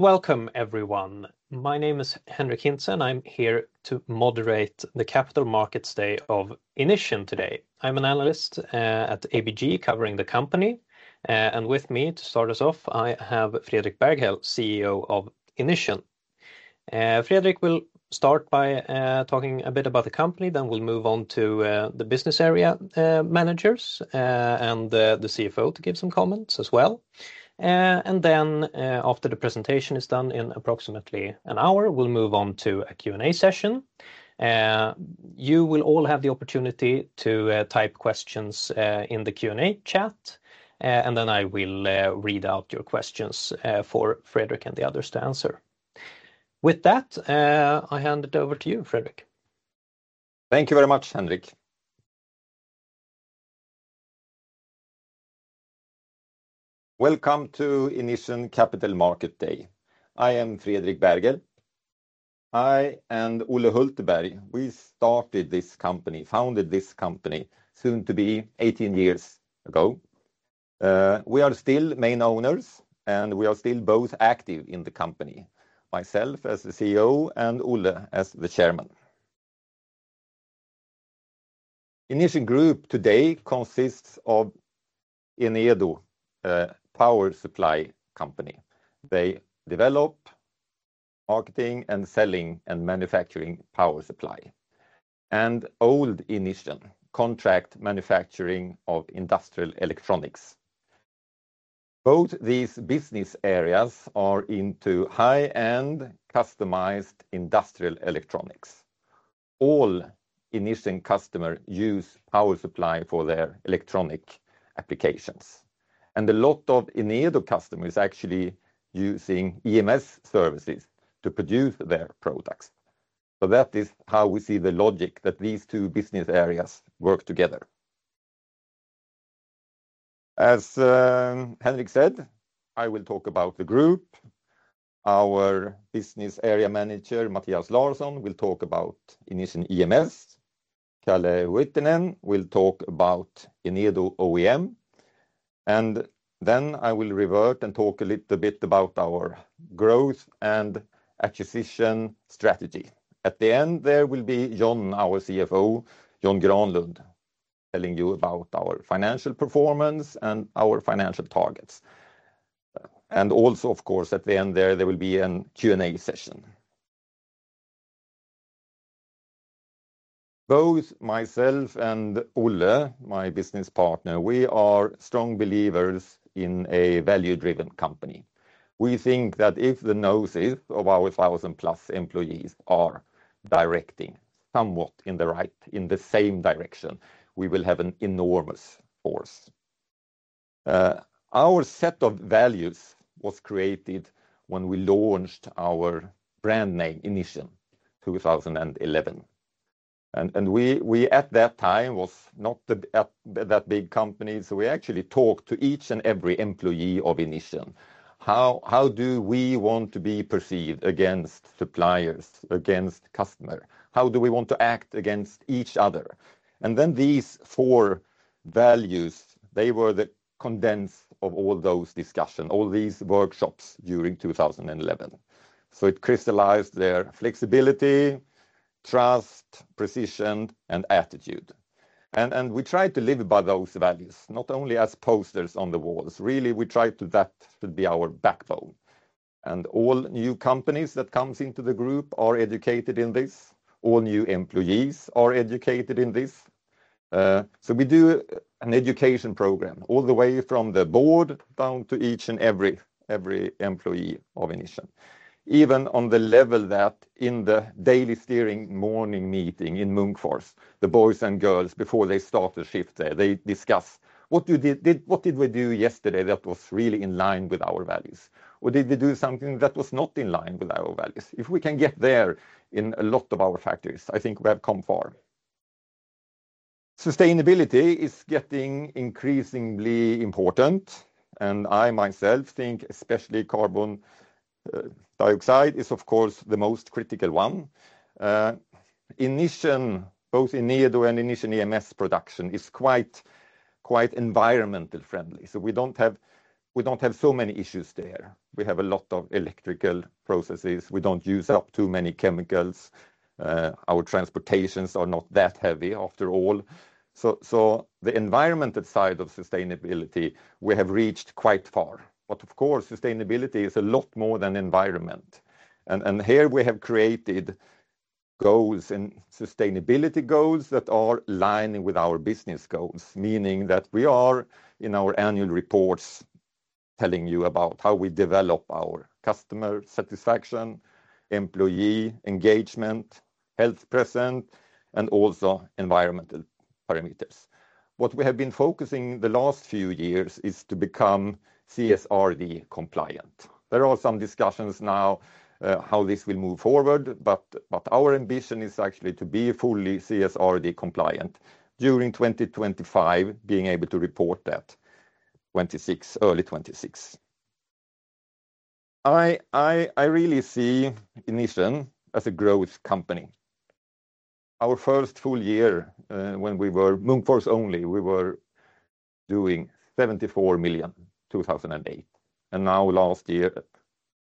Welcome, everyone. My name is Henric Hintze. I'm here to moderate the Capital Markets Day of Inission today. I'm an analyst at ABG covering the company. With me to start us off, I have Fredrik Berghel, CEO of Inission. Fredrik will start by talking a bit about the company, then we'll move on to the business area managers and the CFO to give some comments as well. After the presentation is done in approximately an hour, we'll move on to a Q&A session. You will all have the opportunity to type questions in the Q&A chat, and I will read out your questions for Fredrik and the others to answer. With that, I hand it over to you, Fredrik. Thank you very much, Henrik. Welcome to Inission Capital Market Day. I am Fredrik Berghel. I and Olle Hulteberg, we started this company, founded this company, soon to be 18 years ago. We are still main owners, and we are still both active in the company, myself as the CEO and Olle as the chairman. Inission Group today consists of Enedo Power Supply Company. They develop, marketing, and selling and manufacturing power supply. And old Inission, contract manufacturing of industrial electronics. Both these business areas are into high-end customized industrial electronics. All Inission customers use power supply for their electronic applications. And a lot of Enedo customers are actually using EMS services to produce their products. That is how we see the logic that these two business areas work together. As Henrik said, I will talk about the group. Our business area manager, Mathias Larsson, will talk about Inission EMS. Kalle Huittinen will talk about Enedo OEM. I will revert and talk a little bit about our growth and acquisition strategy. At the end, there will be John, our CFO, John Granlund, telling you about our financial performance and our financial targets. Also, of course, at the end there, there will be a Q&A session. Both myself and Olle, my business partner, we are strong believers in a value-driven company. We think that if the noses of our 1,000-plus employees are directing somewhat in the right, in the same direction, we will have an enormous force. Our set of values was created when we launched our brand name, Inission, in 2011. At that time we were not that big a company, so we actually talked to each and every employee of Inission. How do we want to be perceived against suppliers, against customers? How do we want to act against each other? These four values, they were the condensed of all those discussions, all these workshops during 2011. It crystallized their flexibility, trust, precision, and attitude. We tried to live by those values, not only as posters on the walls. Really, we tried to, that should be our backbone. All new companies that come into the group are educated in this. All new employees are educated in this. We do an education program all the way from the board down to each and every employee of Inission. Even on the level that in the daily steering morning meeting in Munkfors, the boys and girls, before they start the shift there, they discuss, what did we do yesterday that was really in line with our values? Did we do something that was not in line with our values? If we can get there in a lot of our factories, I think we have come far. Sustainability is getting increasingly important. I, myself, think especially carbon dioxide is, of course, the most critical one. Inission, both Enedo and Inission EMS production is quite environmentally friendly. We do not have so many issues there. We have a lot of electrical processes. We do not use up too many chemicals. Our transportations are not that heavy after all. The environmental side of sustainability, we have reached quite far. Of course, sustainability is a lot more than environment. Here we have created goals and sustainability goals that are lining with our business goals, meaning that we are in our annual reports telling you about how we develop our customer satisfaction, employee engagement, health present, and also environmental parameters. What we have been focusing on the last few years is to become CSRD compliant. There are some discussions now how this will move forward, but our ambition is actually to be fully CSRD compliant during 2025, being able to report that early 2026. I really see Inission as a growth company. Our first full year when we were Munkfors only, we were doing 74 million in 2008. Now last year,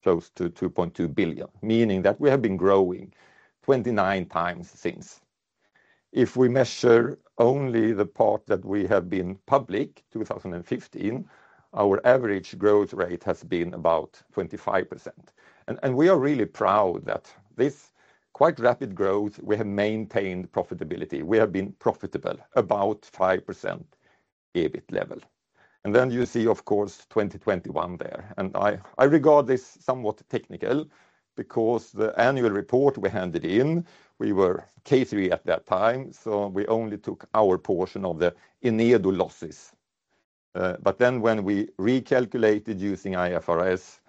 close to 2.2 billion, meaning that we have been growing 29 times since. If we measure only the part that we have been public in 2015, our average growth rate has been about 25%. We are really proud that this quite rapid growth, we have maintained profitability. We have been profitable about 5% EBIT level. You see, of course, 2021 there. I regard this somewhat technical because the annual report we handed in, we were K3 at that time, so we only took our portion of the Enedo losses. When we recalculated using IFRS,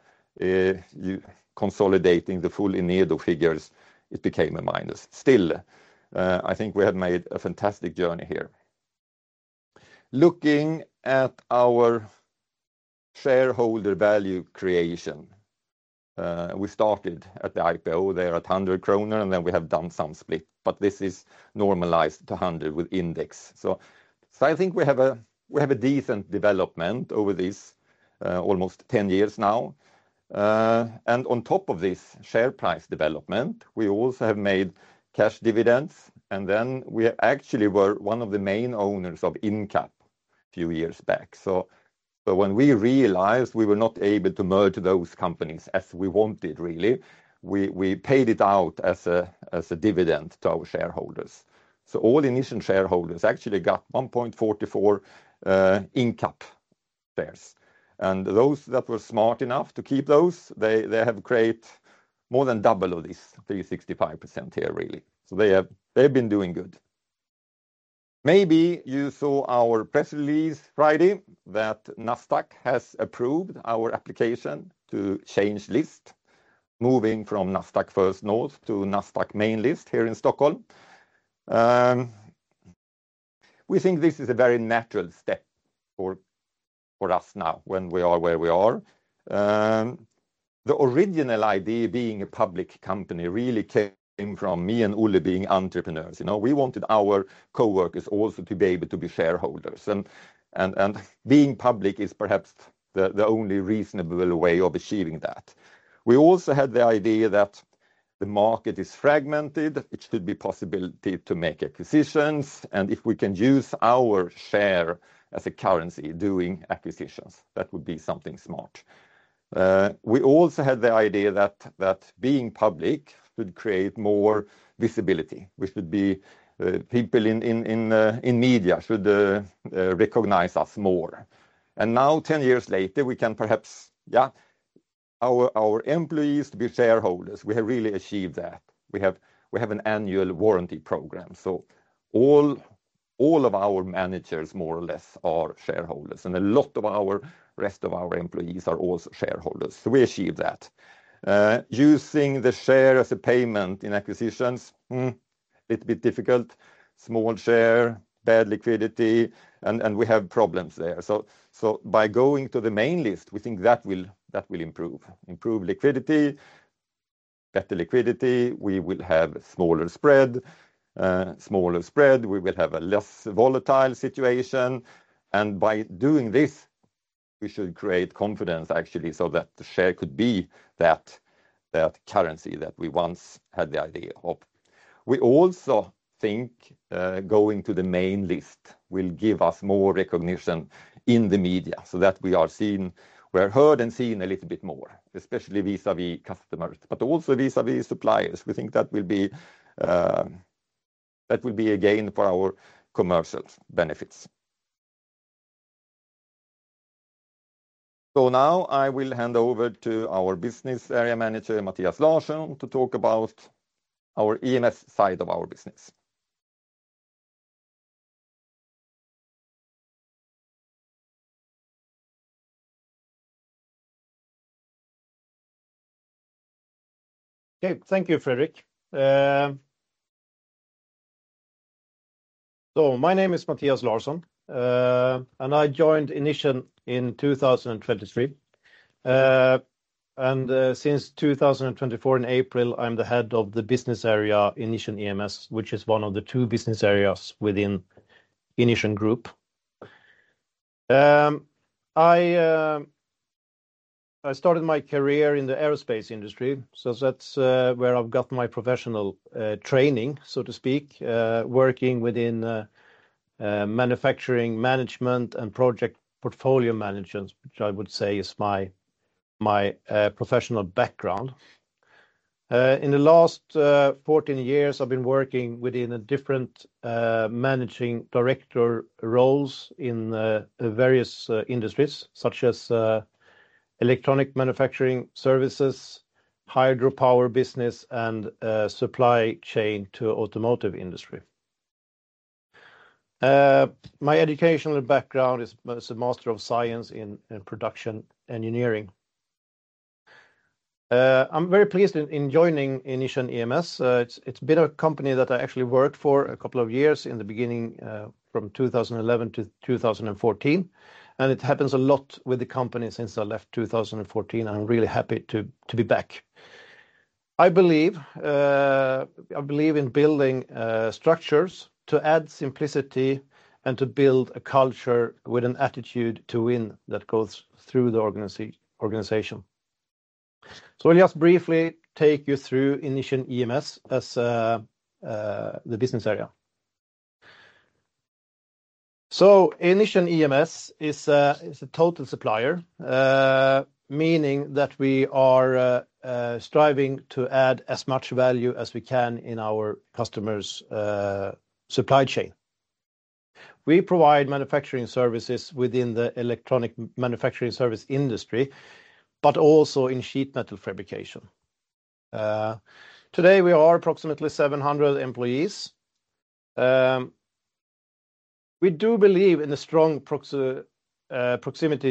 consolidating the full Enedo figures, it became a minus. Still, I think we have made a fantastic journey here. Looking at our shareholder value creation, we started at the IPO there at 100 kronor, and we have done some split, but this is normalized to 100 with index. I think we have a decent development over these almost 10 years now. On top of this share price development, we also have made cash dividends. We actually were one of the main owners of Incap a few years back. When we realized we were not able to merge those companies as we wanted, we paid it out as a dividend to our shareholders. All Inission shareholders actually got 1.44 Incap shares. Those that were smart enough to keep those have created more than double of this, 365% here really. They have been doing good. Maybe you saw our press release Friday that Nasdaq has approved our application to change list, moving from Nasdaq First North to Nasdaq main list here in Stockholm. We think this is a very natural step for us now when we are where we are. The original idea being a public company really came from me and Olle being entrepreneurs. We wanted our coworkers also to be able to be shareholders. Being public is perhaps the only reasonable way of achieving that. We also had the idea that the market is fragmented. It should be a possibility to make acquisitions. If we can use our share as a currency doing acquisitions, that would be something smart. We also had the idea that being public should create more visibility, which would be people in media should recognize us more. Now, 10 years later, we can perhaps, yeah, our employees to be shareholders. We have really achieved that. We have an annual warranty program. All of our managers, more or less, are shareholders. A lot of the rest of our employees are also shareholders. We achieved that. Using the share as a payment in acquisitions, it's a bit difficult. Small share, bad liquidity, and we have problems there. By going to the main list, we think that will improve liquidity, better liquidity, we will have smaller spread. Smaller spread, we will have a less volatile situation. By doing this, we should create confidence, actually, so that the share could be that currency that we once had the idea of. We also think going to the main list will give us more recognition in the media so that we are seen, we're heard and seen a little bit more, especially vis-à-vis customers, but also vis-à-vis suppliers. We think that will be a gain for our commercial benefits. Now I will hand over to our Business Area Manager, Mathias Larsson, to talk about our EMS side of our business. Okay, thank you, Fredrik. My name is Mathias Larsson, and I joined Inission in 2023. Since 2024, in April, I'm the head of the business area Inission EMS, which is one of the two business areas within Inission Group. I started my career in the aerospace industry, so that's where I've got my professional training, so to speak, working within manufacturing management and project portfolio management, which I would say is my professional background. In the last 14 years, I've been working within different managing director roles in various industries, such as electronic manufacturing services, hydropower business, and supply chain to the automotive industry. My educational background is a Master of Science in Production Engineering. I'm very pleased in joining Inission EMS. It's been a company that I actually worked for a couple of years in the beginning from 2011 to 2014. A lot has happened with the company since I left in 2014. I'm really happy to be back. I believe in building structures to add simplicity and to build a culture with an attitude to win that goes through the organization. I'll just briefly take you through Inission EMS as the business area. Inission EMS is a total supplier, meaning that we are striving to add as much value as we can in our customers' supply chain. We provide manufacturing services within the electronic manufacturing service industry, but also in sheet metal fabrication. Today, we are approximately 700 employees. We do believe in a strong proximity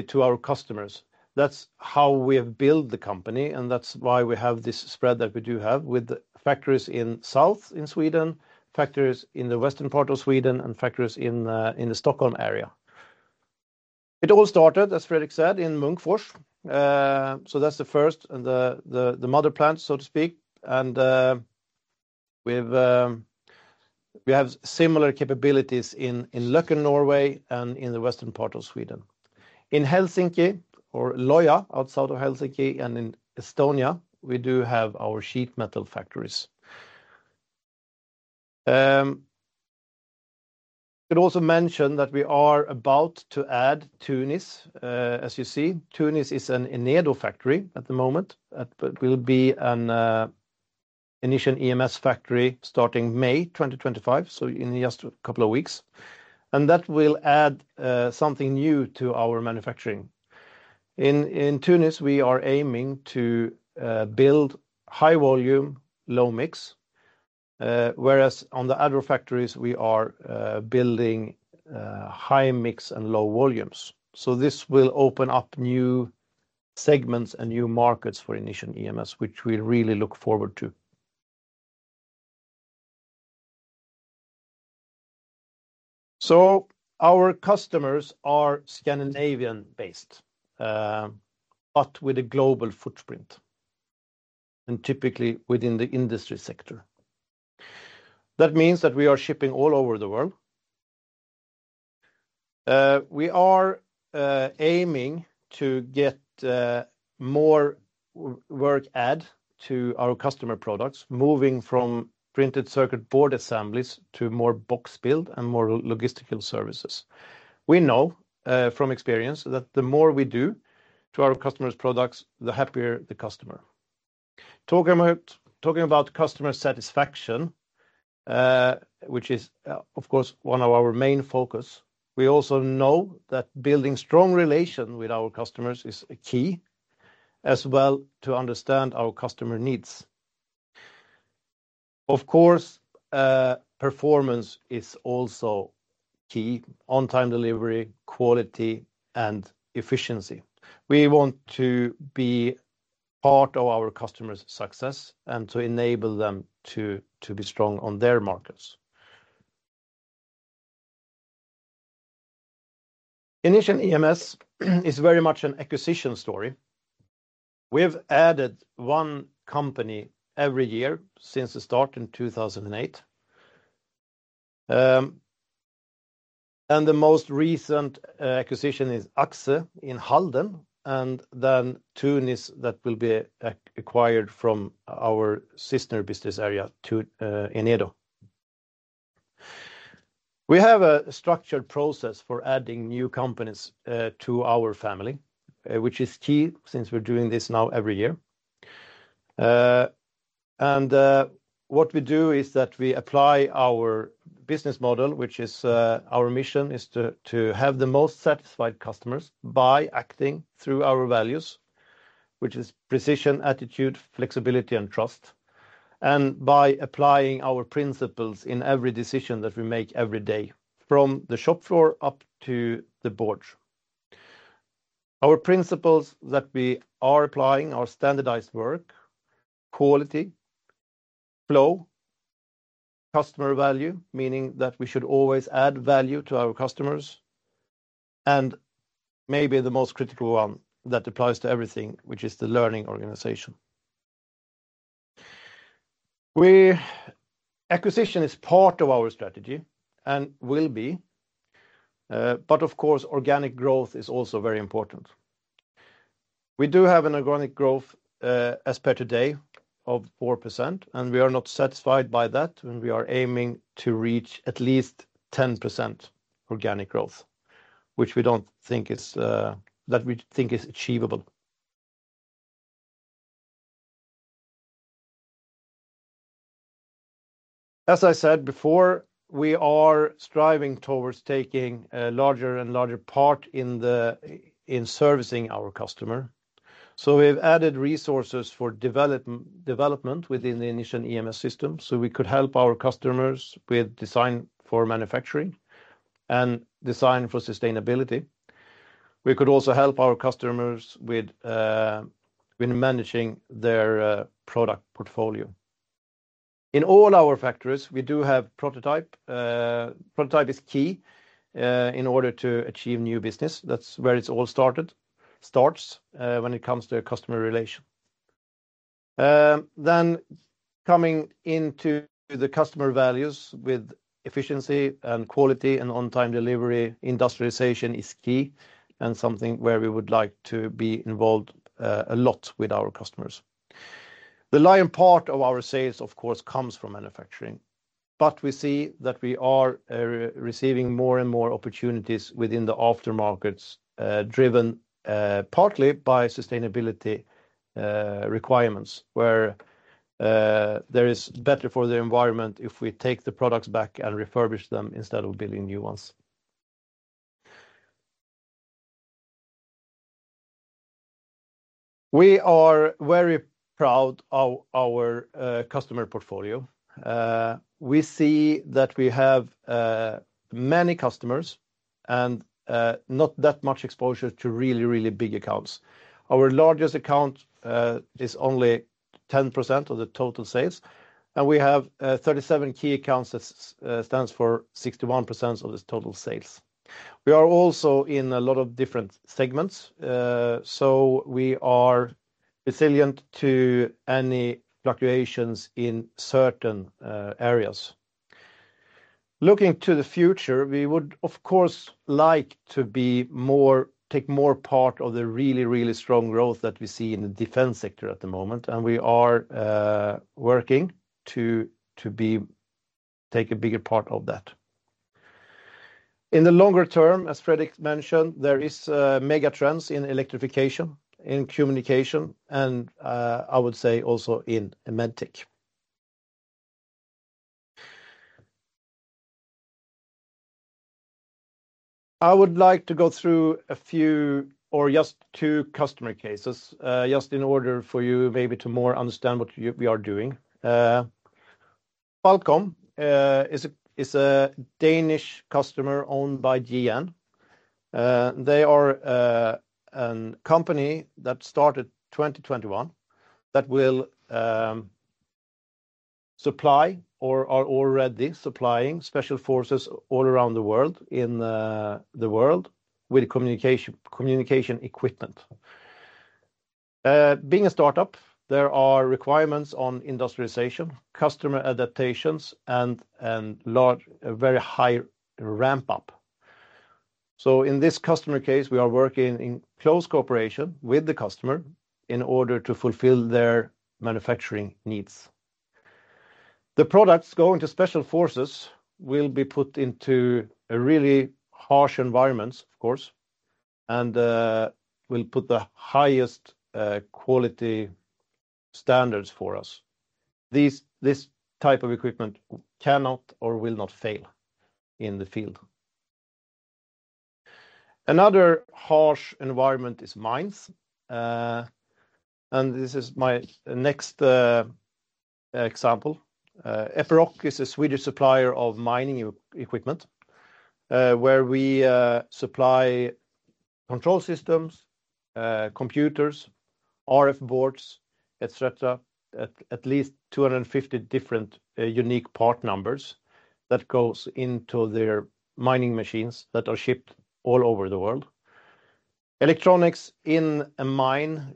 to our customers. That's how we have built the company, and that's why we have this spread that we do have with factories in the south in Sweden, factories in the western part of Sweden, and factories in the Stockholm area. It all started, as Fredrik said, in Munkfors. That is the first and the mother plant, so to speak. We have similar capabilities in Løkken, Norway, and in the western part of Sweden. In Helsinki or Loja, outside of Helsinki, and in Estonia, we do have our sheet metal factories. I should also mention that we are about to add Tunis. As you see, Tunis is an Enedo factory at the moment, but will be an Inission EMS factory starting May 2025, in just a couple of weeks. That will add something new to our manufacturing. In Tunis, we are aiming to build high volume, low mix, whereas in the other factories, we are building high mix and low volumes. This will open up new segments and new markets for Inission EMS, which we really look forward to. Our customers are Scandinavian-based, but with a global footprint, and typically within the industry sector. That means that we are shipping all over the world. We are aiming to get more work added to our customer products, moving from printed circuit board assemblies to more box build and more logistical services. We know from experience that the more we do to our customers' products, the happier the customer. Talking about customer satisfaction, which is, of course, one of our main focuses, we also know that building strong relations with our customers is key as well to understand our customer needs. Of course, performance is also key: on-time delivery, quality, and efficiency. We want to be part of our customers' success and to enable them to be strong on their markets. Inission EMS is very much an acquisition story. We have added one company every year since the start in 2008. The most recent acquisition is AXXEL in Halden, and then Tunis that will be acquired from our sister business area to Enedo. We have a structured process for adding new companies to our family, which is key since we're doing this now every year. What we do is that we apply our business model, which is our mission is to have the most satisfied customers by acting through our values, which is precision, attitude, flexibility, and trust. By applying our principles in every decision that we make every day from the shop floor up to the board. Our principles that we are applying are standardized work, quality, flow, customer value, meaning that we should always add value to our customers. Maybe the most critical one that applies to everything, which is the learning organization. Acquisition is part of our strategy and will be, but of course, organic growth is also very important. We do have an organic growth as per today of 4%, and we are not satisfied by that. We are aiming to reach at least 10% organic growth, which we do not think is achievable. As I said before, we are striving towards taking a larger and larger part in servicing our customer. We have added resources for development within the Inission EMS system so we could help our customers with design for manufacturing and design for sustainability. We could also help our customers with managing their product portfolio. In all our factories, we do have prototype. Prototype is key in order to achieve new business. That is where it all starts when it comes to customer relation. Coming into the customer values with efficiency and quality and on-time delivery, industrialization is key and something where we would like to be involved a lot with our customers. The lion part of our sales, of course, comes from manufacturing, but we see that we are receiving more and more opportunities within the aftermarkets driven partly by sustainability requirements where it is better for the environment if we take the products back and refurbish them instead of building new ones. We are very proud of our customer portfolio. We see that we have many customers and not that much exposure to really, really big accounts. Our largest account is only 10% of the total sales, and we have 37 key accounts that stand for 61% of the total sales. We are also in a lot of different segments, so we are resilient to any fluctuations in certain areas. Looking to the future, we would, of course, like to take more part of the really, really strong growth that we see in the defense sector at the moment, and we are working to take a bigger part of that. In the longer term, as Fredrik mentioned, there are mega trends in electrification, in communication, and I would say also in [Amentic]. I would like to go through a few or just two customer cases just in order for you maybe to more understand what we are doing. Falcom is a Danish customer owned by GN. They are a company that started 2021 that will supply or are already supplying special forces all around the world with communication equipment. Being a startup, there are requirements on industrialization, customer adaptations, and a very high ramp-up. In this customer case, we are working in close cooperation with the customer in order to fulfill their manufacturing needs. The products going to special forces will be put into really harsh environments, of course, and will put the highest quality standards for us. This type of equipment cannot or will not fail in the field. Another harsh environment is mines, and this is my next example. Epiroc is a Swedish supplier of mining equipment where we supply control systems, computers, RF boards, etc., at least 250 different unique part numbers that go into their mining machines that are shipped all over the world. Electronics in a mine,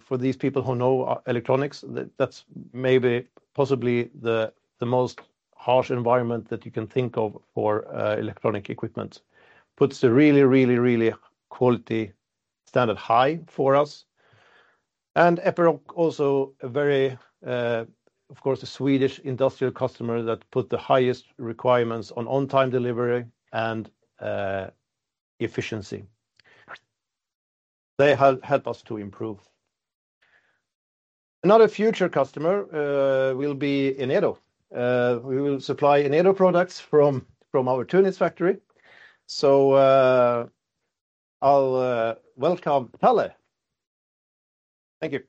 for these people who know electronics, that's maybe possibly the most harsh environment that you can think of for electronic equipment. It puts a really, really, really quality standard high for us. Epiroc also, of course, a Swedish industrial customer that puts the highest requirements on on-time delivery and efficiency. They help us to improve. Another future customer will be Enedo. We will supply Enedo products from our Tunis factory. I will welcome Kalle. Thank you.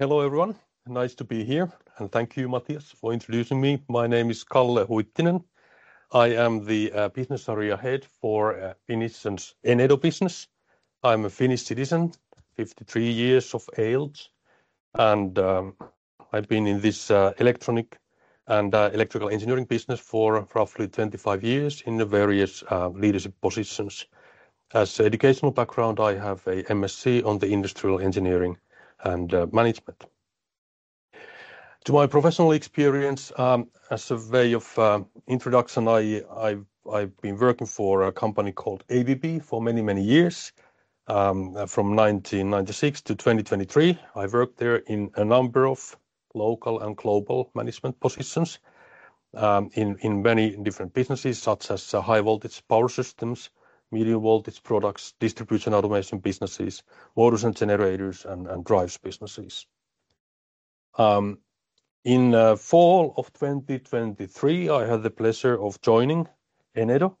Hello everyone. Nice to be here. And thank you, Mathias, for introducing me. My name is Kalle Huittinen. I am the business area head for Inission Enedo business. I'm a Finnish citizen, 53 years of age, and I've been in this electronic and electrical engineering business for roughly 25 years in various leadership positions. As an educational background, I have an MSc on industrial engineering and management. To my professional experience, as a way of introduction, I've been working for a company called ABB for many, many years. From 1996 to 2023, I worked there in a number of local and global management positions in many different businesses, such as high-voltage power systems, medium-voltage products, distribution automation businesses, motor and generators, and drives businesses. In the fall of 2023, I had the pleasure of joining Enedo,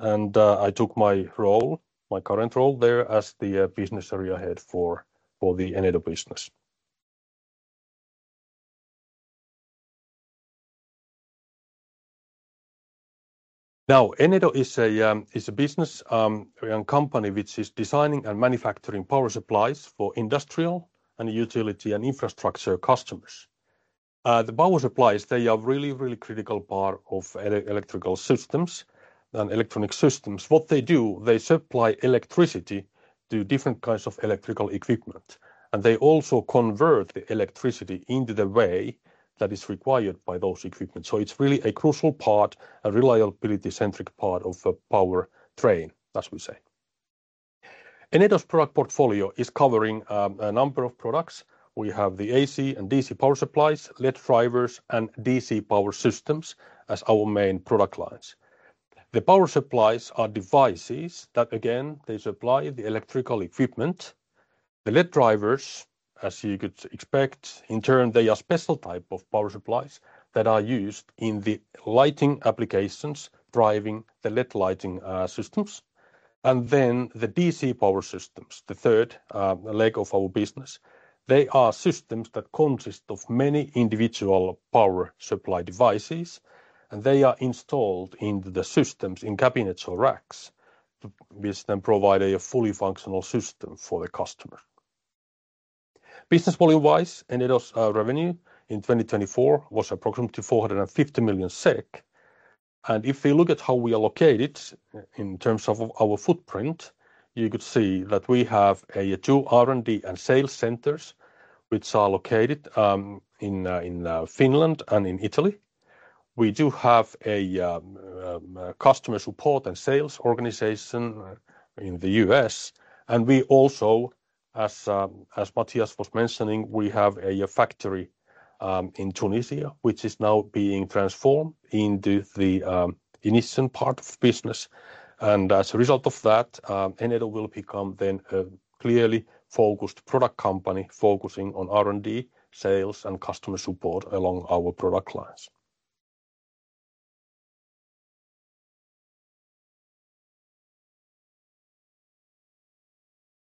and I took my role, my current role there as the Business Area Head for the Enedo business. Now, Enedo is a business and company which is designing and manufacturing power supplies for industrial and utility and infrastructure customers. The power supplies, they are a really, really critical part of electrical systems and electronic systems. What they do, they supply electricity to different kinds of electrical equipment, and they also convert the electricity into the way that is required by those equipments. It is really a crucial part, a reliability-centric part of a power train, as we say. Enedo's product portfolio is covering a number of products. We have the AC and DC power supplies, LED drivers, and DC power systems as our main product lines. The power supplies are devices that, again, they supply the electrical equipment. The LED drivers, as you could expect, in turn, they are a special type of power supplies that are used in the lighting applications, driving the LED lighting systems. The DC power systems, the third leg of our business, are systems that consist of many individual power supply devices, and they are installed in the systems in cabinets or racks, which then provide a fully functional system for the customer. Business volume-wise, Enedo's revenue in 2024 was approximately 450 million SEK. If we look at how we are located in terms of our footprint, you could see that we have two R&D and sales centers, which are located in Finland and in Italy. We do have a customer support and sales organization in the U.S. We also, as Mathias was mentioning, have a factory in Tunisia, which is now being transformed into the Inission part of business. As a result of that, Enedo will become a clearly focused product company focusing on R&D, sales, and customer support along our product lines.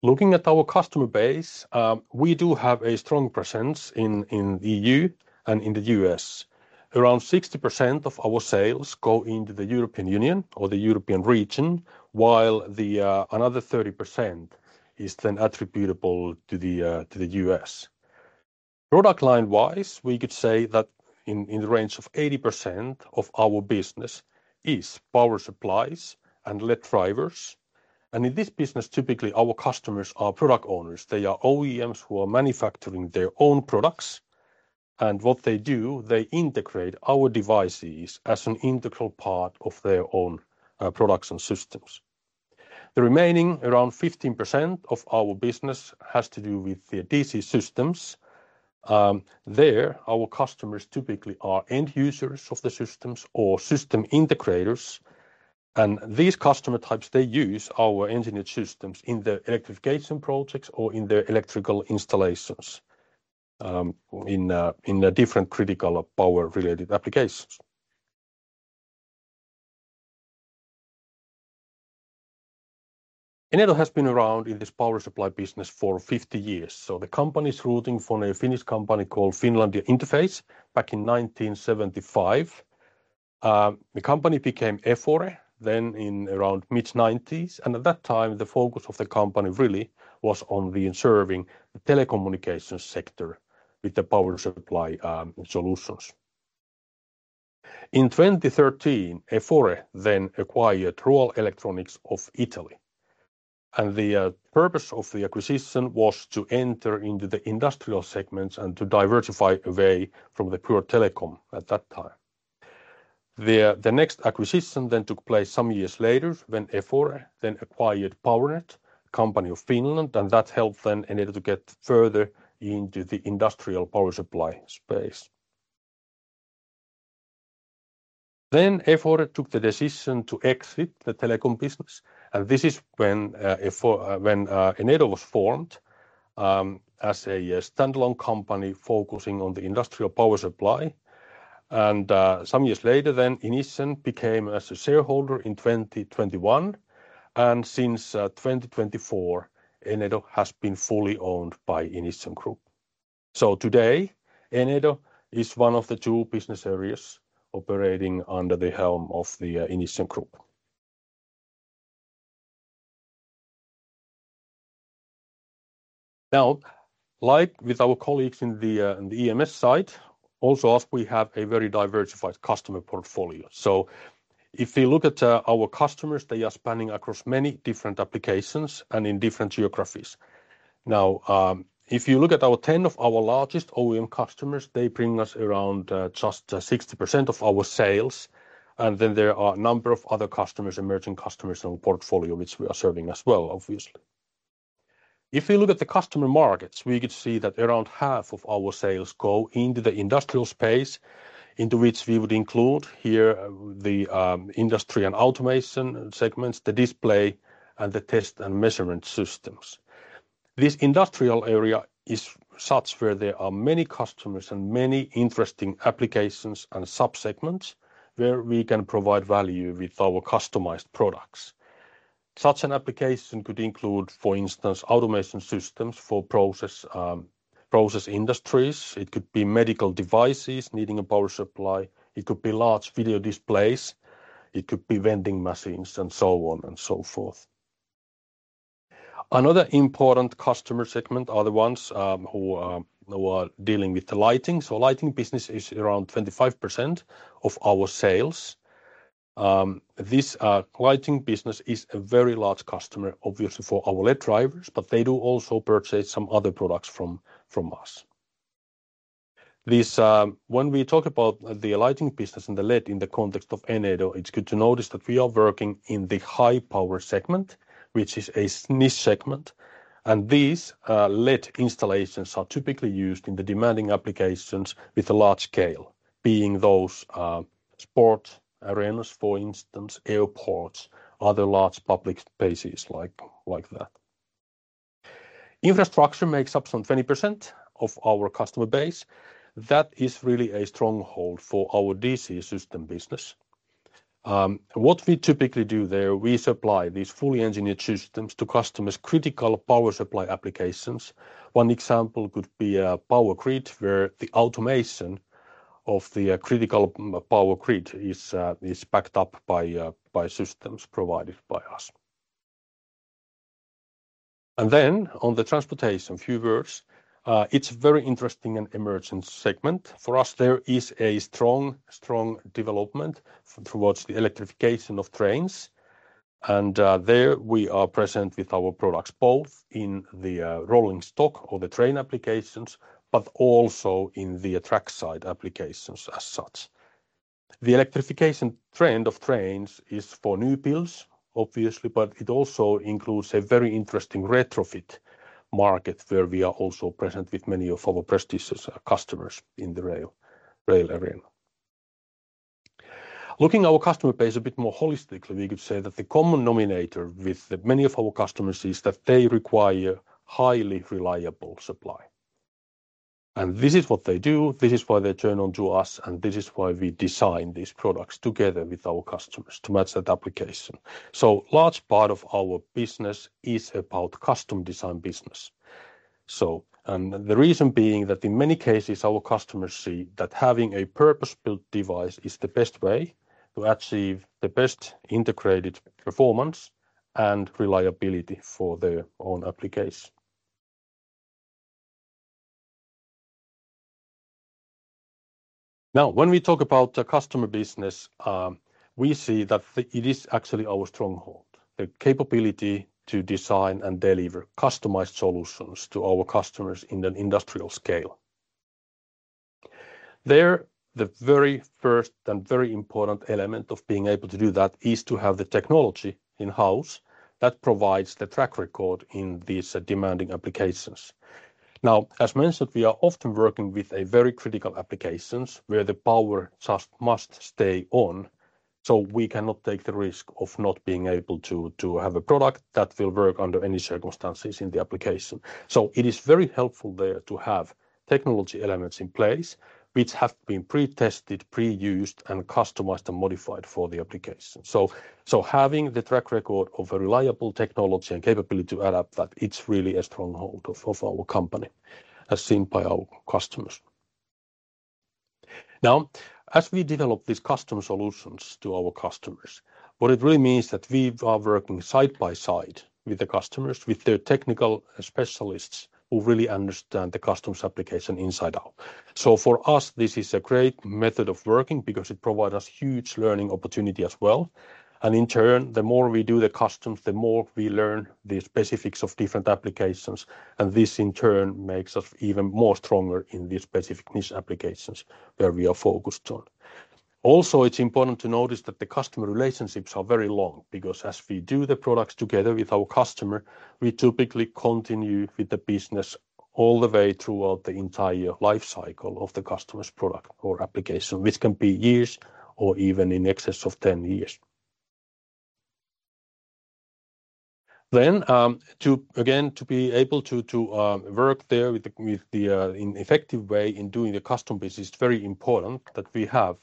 Looking at our customer base, we do have a strong presence in the EU and in the U.S. Around 60% of our sales go into the European Union or the European region, while another 30% is attributable to the U.S. Product line-wise, we could say that in the range of 80% of our business is power supplies and LED drivers. In this business, typically, our customers are product owners. They are OEMs who are manufacturing their own products. What they do, they integrate our devices as an integral part of their own production systems. The remaining around 15% of our business has to do with the DC systems. There, our customers typically are end users of the systems or system integrators. These customer types, they use our engineered systems in the electrification projects or in their electrical installations in different critical power-related applications. Enedo has been around in this power supply business for 50 years. The company is rooting from a Finnish company called Finlandia Interface back in 1975. The company became Efore then in around mid-1990s. At that time, the focus of the company really was on serving the telecommunications sector with the power supply solutions. In 2013, Efore then acquired Royal Electronics of Italy. The purpose of the acquisition was to enter into the industrial segments and to diversify away from the pure telecom at that time. The next acquisition took place some years later when Efore then acquired PowerNet, a company of Finland, and that helped Enedo to get further into the industrial power supply space. Efore took the decision to exit the telecom business, and this is when Enedo was formed as a standalone company focusing on the industrial power supply. Some years later, Inission became a shareholder in 2021. Since 2024, Enedo has been fully owned by Inission Group. Today, Enedo is one of the two business areas operating under the helm of the Inission Group. Like with our colleagues in the EMS side, also we have a very diversified customer portfolio. If we look at our customers, they are spanning across many different applications and in different geographies. If you look at 10 of our largest OEM customers, they bring us around just 60% of our sales. There are a number of other customers, emerging customers in our portfolio, which we are serving as well, obviously. If we look at the customer markets, we could see that around half of our sales go into the industrial space, into which we would include here the industry and automation segments, the display and the test and measurement systems. This industrial area is such where there are many customers and many interesting applications and subsegments where we can provide value with our customized products. Such an application could include, for instance, automation systems for process industries. It could be medical devices needing a power supply. It could be large video displays. It could be vending machines and so on and so forth. Another important customer segment are the ones who are dealing with the lighting. Lighting business is around 25% of our sales. This lighting business is a very large customer, obviously, for our LED drivers, but they do also purchase some other products from us. When we talk about the lighting business and the LED in the context of Enedo, it's good to notice that we are working in the high power segment, which is a niche segment. These lead installations are typically used in demanding applications with a large scale, being those sports arenas, for instance, airports, other large public spaces like that. Infrastructure makes up some 20% of our customer base. That is really a stronghold for our DC system business. What we typically do there, we supply these fully engineered systems to customers' critical power supply applications. One example could be a power grid where the automation of the critical power grid is backed up by systems provided by us. On the transportation, a few words. It is a very interesting and emergent segment. For us, there is a strong development towards the electrification of trains. There we are present with our products, both in the rolling stock or the train applications, but also in the track side applications as such. The electrification trend of trains is for new builds, obviously, but it also includes a very interesting retrofit market where we are also present with many of our prestigious customers in the rail area. Looking at our customer base a bit more holistically, we could say that the common nominator with many of our customers is that they require highly reliable supply. This is what they do. This is why they turn on to us, and this is why we design these products together with our customers to match that application. A large part of our business is about custom design business. The reason being that in many cases, our customers see that having a purpose-built device is the best way to achieve the best integrated performance and reliability for their own application. Now, when we talk about the customer business, we see that it is actually our stronghold, the capability to design and deliver customized solutions to our customers in an industrial scale. There, the very first and very important element of being able to do that is to have the technology in-house that provides the track record in these demanding applications. Now, as mentioned, we are often working with very critical applications where the power just must stay on. We cannot take the risk of not being able to have a product that will work under any circumstances in the application. It is very helpful there to have technology elements in place, which have been pre-tested, pre-used, and customized and modified for the application. Having the track record of a reliable technology and capability to adapt that, it's really a stronghold of our company, as seen by our customers. Now, as we develop these customer solutions to our customers, what it really means is that we are working side by side with the customers, with their technical specialists who really understand the customer's application inside out. For us, this is a great method of working because it provides us huge learning opportunity as well. In turn, the more we do the customs, the more we learn the specifics of different applications. This, in turn, makes us even more stronger in the specific niche applications where we are focused on. Also, it's important to notice that the customer relationships are very long because as we do the products together with our customer, we typically continue with the business all the way throughout the entire lifecycle of the customer's product or application, which can be years or even in excess of 10 years. To be able to work there in an effective way in doing the custom business, it's very important that we have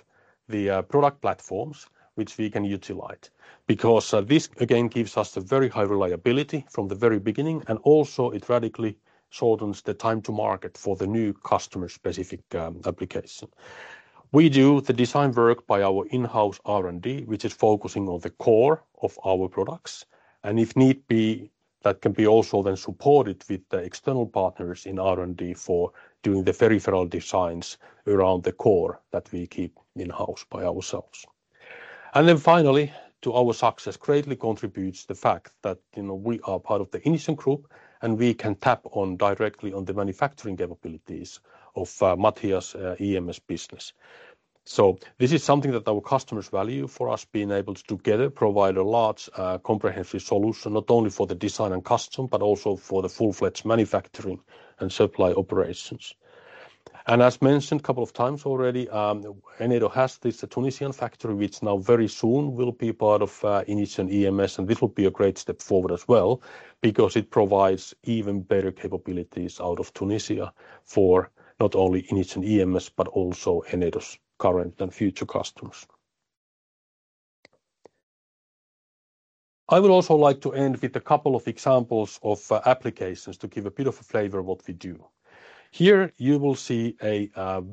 the product platforms which we can utilize because this, again, gives us a very high reliability from the very beginning. It also radically shortens the time to market for the new customer-specific application. We do the design work by our in-house R&D, which is focusing on the core of our products. If need be, that can be also then supported with the external partners in R&D for doing the peripheral designs around the core that we keep in-house by ourselves. Finally, to our success, greatly contributes the fact that we are part of the Inission Group and we can tap directly on the manufacturing capabilities of Mathias' EMS business. This is something that our customers value for us being able to together provide a large comprehensive solution, not only for the design and custom, but also for the full-fledged manufacturing and supply operations. As mentioned a couple of times already, Enedo has this Tunisian factory, which now very soon will be part of Inission EMS. This will be a great step forward as well because it provides even better capabilities out of Tunisia for not only Inission EMS, but also Enedo's current and future customers. I would also like to end with a couple of examples of applications to give a bit of a flavor of what we do. Here you will see a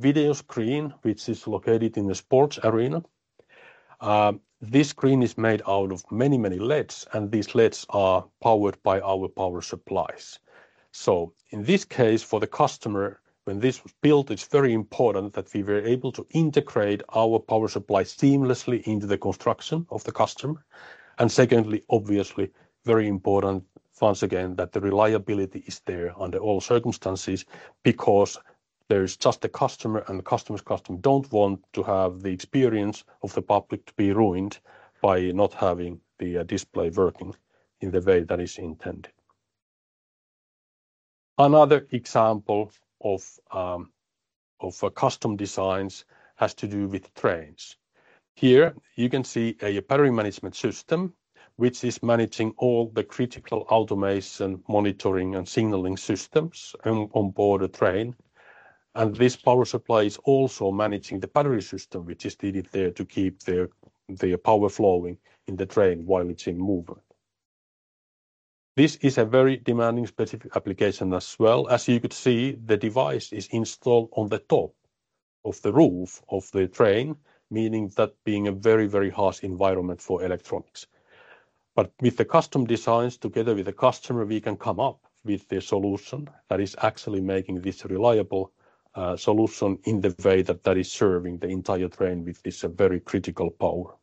video screen, which is located in the sports arena. This screen is made out of many, many LEDs, and these LEDs are powered by our power supplies. In this case, for the customer, when this was built, it is very important that we were able to integrate our power supply seamlessly into the construction of the customer. Secondly, obviously, very important, once again, that the reliability is there under all circumstances because the customer and the customer's customer do not want to have the experience of the public to be ruined by not having the display working in the way that is intended. Another example of custom designs has to do with trains. Here you can see a battery management system, which is managing all the critical automation, monitoring, and signaling systems on board a train. This power supply is also managing the battery system, which is needed there to keep the power flowing in the train while it's in movement. This is a very demanding specific application as well. As you could see, the device is installed on the top of the roof of the train, meaning that being a very, very harsh environment for electronics. With the custom designs together with the customer, we can come up with the solution that is actually making this reliable solution in the way that is serving the entire train with this very critical power.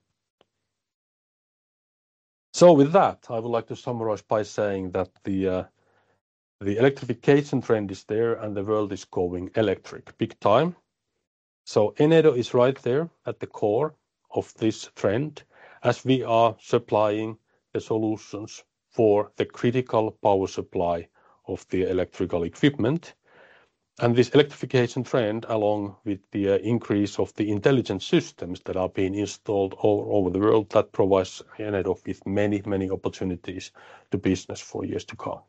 I would like to summarize by saying that the electrification trend is there and the world is going electric big time. Enedo is right there at the core of this trend as we are supplying the solutions for the critical power supply of the electrical equipment. This electrification trend, along with the increase of the intelligent systems that are being installed all over the world, provides Enedo with many, many opportunities to business for years to come.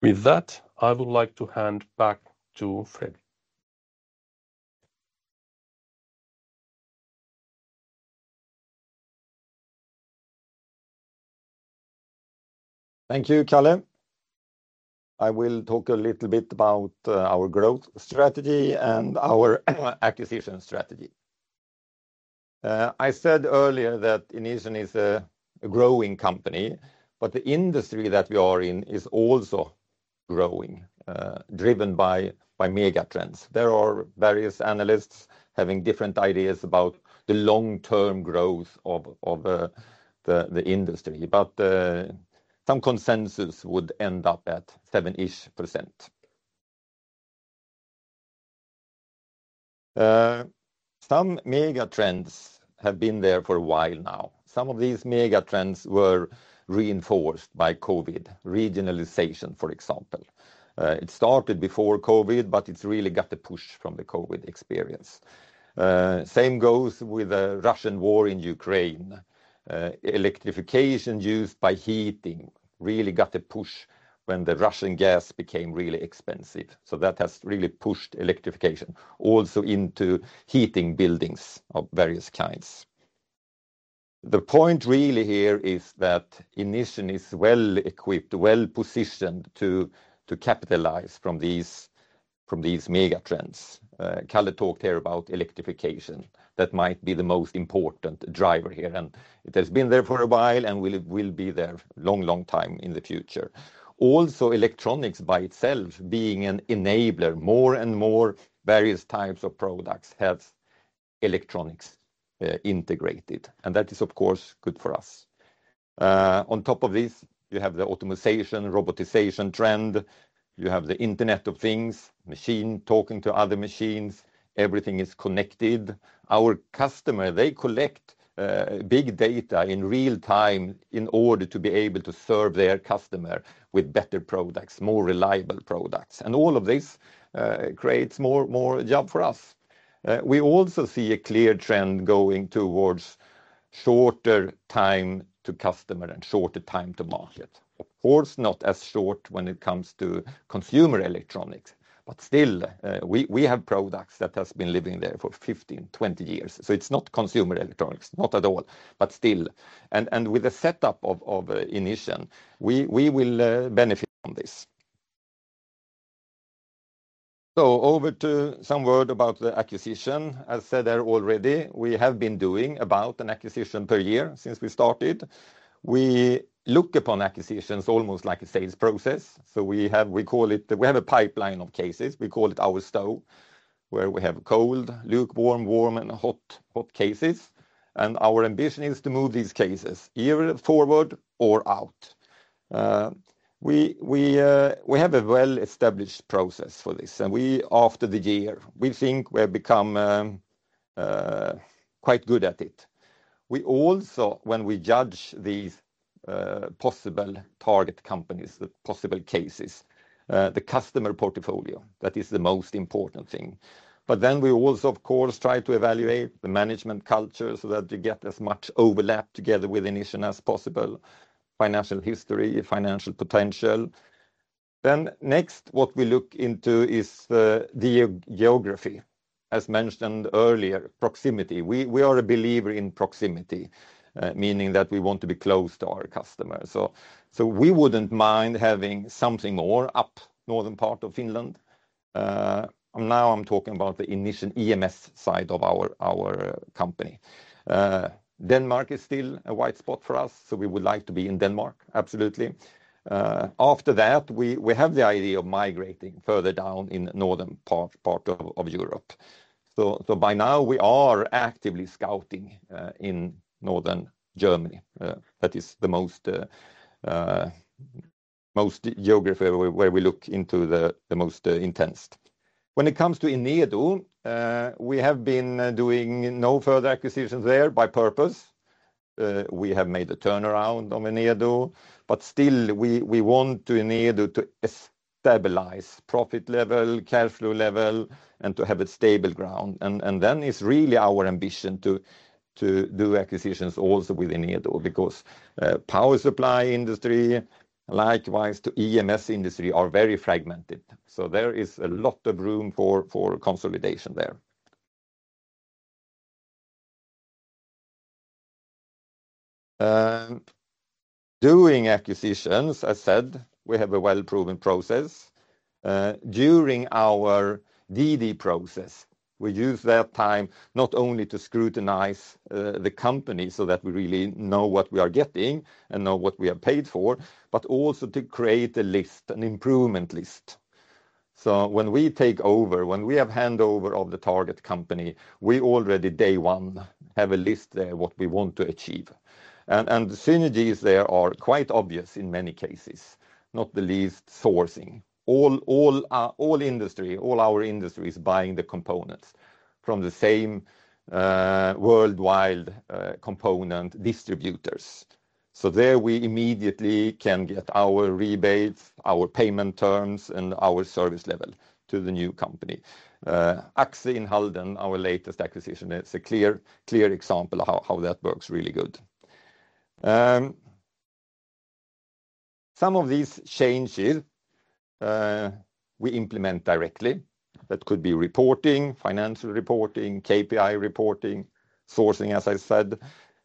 With that, I would like to hand back to Fred. Thank you, Kalle. I will talk a little bit about our growth strategy and our acquisition strategy. I said earlier that Inission is a growing company, but the industry that we are in is also growing, driven by mega trends. There are various analysts having different ideas about the long-term growth of the industry, but some consensus would end up at 7% ish. Some mega trends have been there for a while now. Some of these mega trends were reinforced by COVID, regionalization, for example. It started before COVID, but it really got the push from the COVID experience. The same goes with the Russian war in Ukraine. Electrification used by heating really got the push when the Russian gas became really expensive. That has really pushed electrification also into heating buildings of various kinds. The point really here is that Inission is well equipped, well positioned to capitalize from these mega trends. Kalle talked here about electrification that might be the most important driver here, and it has been there for a while and will be there a long, long time in the future. Also, electronics by itself being an enabler, more and more various types of products have electronics integrated, and that is, of course, good for us. On top of this, you have the automation, robotization trend. You have the Internet of Things, machine talking to other machines. Everything is connected. Our customer, they collect big data in real time in order to be able to serve their customer with better products, more reliable products. All of this creates more jobs for us. We also see a clear trend going towards shorter time to customer and shorter time to market. Of course, not as short when it comes to consumer electronics, but still we have products that have been living there for 15-20 years. It is not consumer electronics, not at all, but still. With the setup of Inission, we will benefit from this. Over to some word about the acquisition. As said there already, we have been doing about an acquisition per year since we started. We look upon acquisitions almost like a sales process. We call it, we have a pipeline of cases. We call it our stove, where we have cold, lukewarm, warm, and hot cases. Our ambition is to move these cases either forward or out. We have a well-established process for this. After the year, we think we have become quite good at it. Also, when we judge these possible target companies, the possible cases, the customer portfolio, that is the most important thing. Of course, we also try to evaluate the management culture so that you get as much overlap together with Inission as possible, financial history, financial potential. Next, what we look into is the geography, as mentioned earlier, proximity. We are a believer in proximity, meaning that we want to be close to our customers. We would not mind having something more up northern part of Finland. Now I'm talking about the Inission EMS side of our company. Denmark is still a white spot for us, so we would like to be in Denmark, absolutely. After that, we have the idea of migrating further down in northern part of Europe. By now, we are actively scouting in northern Germany. That is the geography where we look into the most intense. When it comes to Enedo, we have been doing no further acquisitions there by purpose. We have made a turnaround on Enedo, but still we want Enedo to stabilize profit level, cash flow level, and to have a stable ground. It is really our ambition to do acquisitions also with Enedo because power supply industry, likewise to EMS industry, are very fragmented. There is a lot of room for consolidation there. Doing acquisitions, as said, we have a well-proven process. During our DD process, we use that time not only to scrutinize the company so that we really know what we are getting and know what we are paid for, but also to create a list, an improvement list. When we take over, when we have handover of the target company, we already day one have a list there of what we want to achieve. The synergies there are quite obvious in many cases, not the least sourcing. All industry, all our industry is buying the components from the same worldwide component distributors. There we immediately can get our rebates, our payment terms, and our service level to the new company. AXXE in Halden, our latest acquisition, is a clear example of how that works really good. Some of these changes we implement directly. That could be reporting, financial reporting, KPI reporting, sourcing, as I said.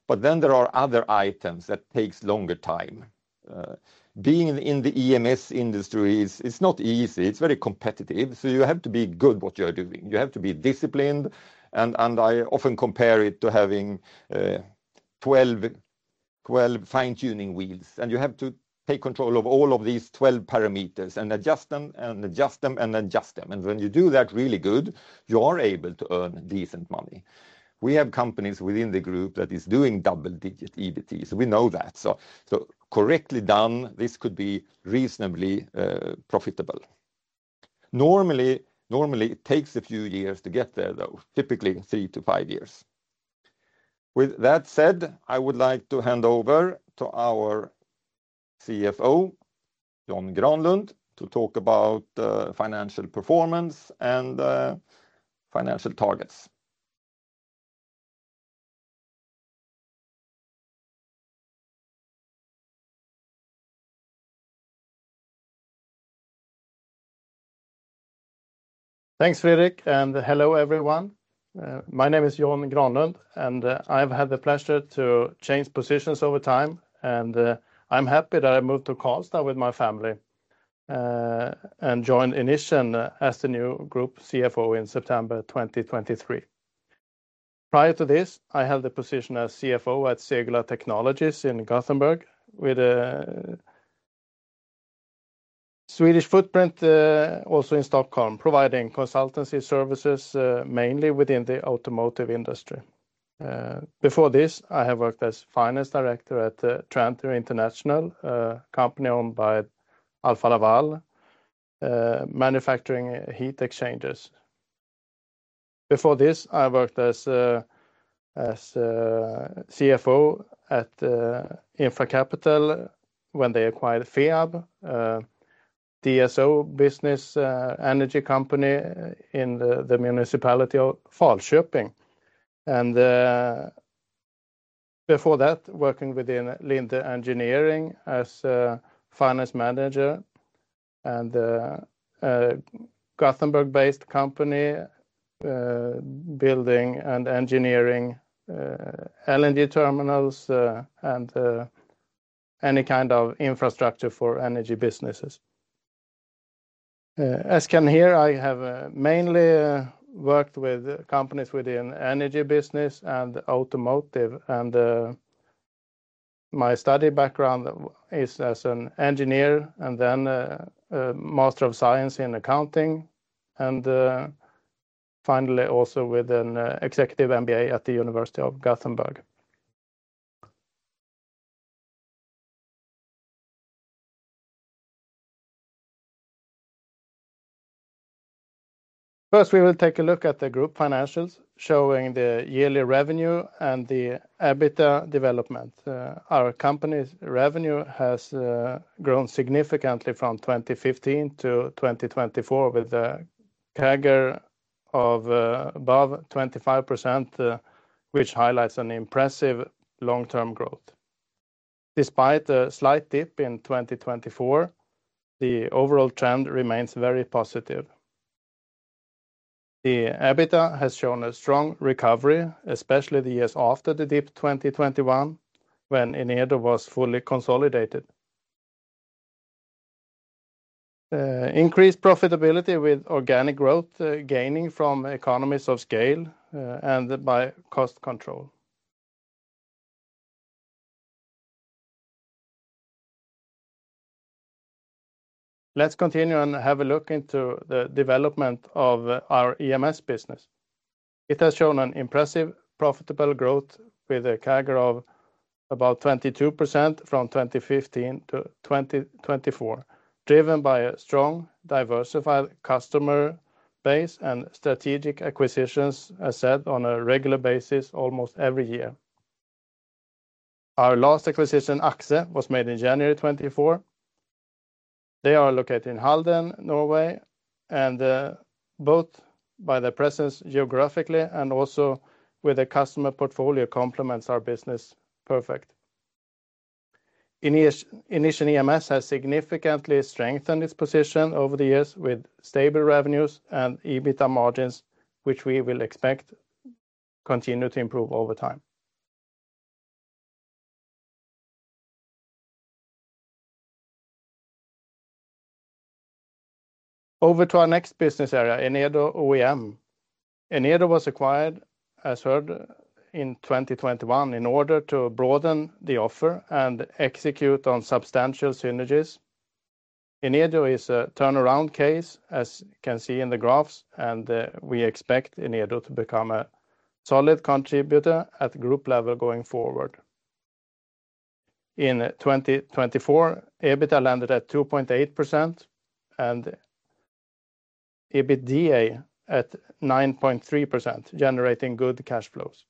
There are other items that take longer time. Being in the EMS industry, it's not easy. It's very competitive. You have to be good at what you're doing. You have to be disciplined. I often compare it to having 12 fine-tuning wheels. You have to take control of all of these 12 parameters and adjust them and adjust them and adjust them. When you do that really good, you are able to earn decent money. We have companies within the group that are doing double-digit EBTs. We know that. Correctly done, this could be reasonably profitable. Normally, it takes a few years to get there, though, typically three to five years. With that said, I would like to hand over to our CFO, John Granlund, to talk about financial performance and financial targets. Thanks, Fredrik. Hello, everyone. My name is John Granlund, and I've had the pleasure to change positions over time. I'm happy that I moved to Karlstad with my family and joined Inission as the new Group CFO in September 2023. Prior to this, I held the position as CFO at Segula Technologies in Gothenburg with a Swedish footprint also in Stockholm, providing consultancy services mainly within the automotive industry. Before this, I have worked as Finance Director at Tranter International, a company owned by Alfa Laval, manufacturing heat exchangers. Before this, I worked as CFO at Infra Capital when they acquired FEAB, a DSO business energy company in the municipality of Falköping. Before that, working within Linde Engineering as a Finance Manager and a Gothenburg-based company building and engineering LNG terminals and any kind of infrastructure for energy businesses. As you can hear, I have mainly worked with companies within the energy business and automotive. My study background is as an engineer and then a Master of Science in Accounting. Finally, also with an executive MBA at the University of Gothenburg. First, we will take a look at the group financials showing the yearly revenue and the EBITDA development. Our company's revenue has grown significantly from 2015-2024 with a CAGR of above 25%, which highlights an impressive long-term growth. Despite a slight dip in 2024, the overall trend remains very positive. The EBITDA has shown a strong recovery, especially the years after the dip in 2021 when Enedo was fully consolidated. Increased profitability with organic growth gaining from economies of scale and by cost control. Let's continue and have a look into the development of our EMS business. It has shown an impressive profitable growth with a CAGR of about 22% from 2015-2024, driven by a strong, diversified customer base and strategic acquisitions, as said, on a regular basis almost every year. Our last acquisition, AXXE, was made in January 2024. They are located in Halden, Norway, and both by their presence geographically and also with a customer portfolio complements our business perfect. Inission EMS has significantly strengthened its position over the years with stable revenues and EBITDA margins, which we will expect to continue to improve over time. Over to our next business area, Enedo OEM. Enedo was acquired, as heard, in 2021 in order to broaden the offer and execute on substantial synergies. Enedo is a turnaround case, as you can see in the graphs, and we expect Enedo to become a solid contributor at group level going forward. In 2024, EBIT landed at 2.8% and EBITDA at 9.3%, generating good cash flows.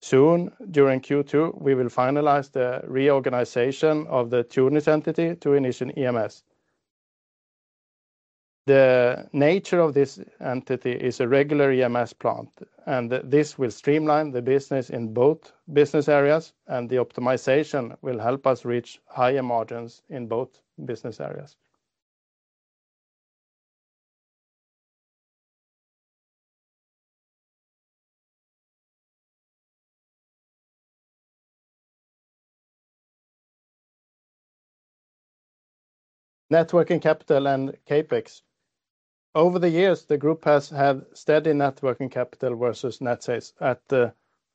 Soon, during Q2, we will finalize the reorganization of the Tunis entity to Inission EMS. The nature of this entity is a regular EMS plant, and this will streamline the business in both business areas, and the optimization will help us reach higher margins in both business areas. Net working capital and CapEx. Over the years, the group has had steady net working capital versus net sales at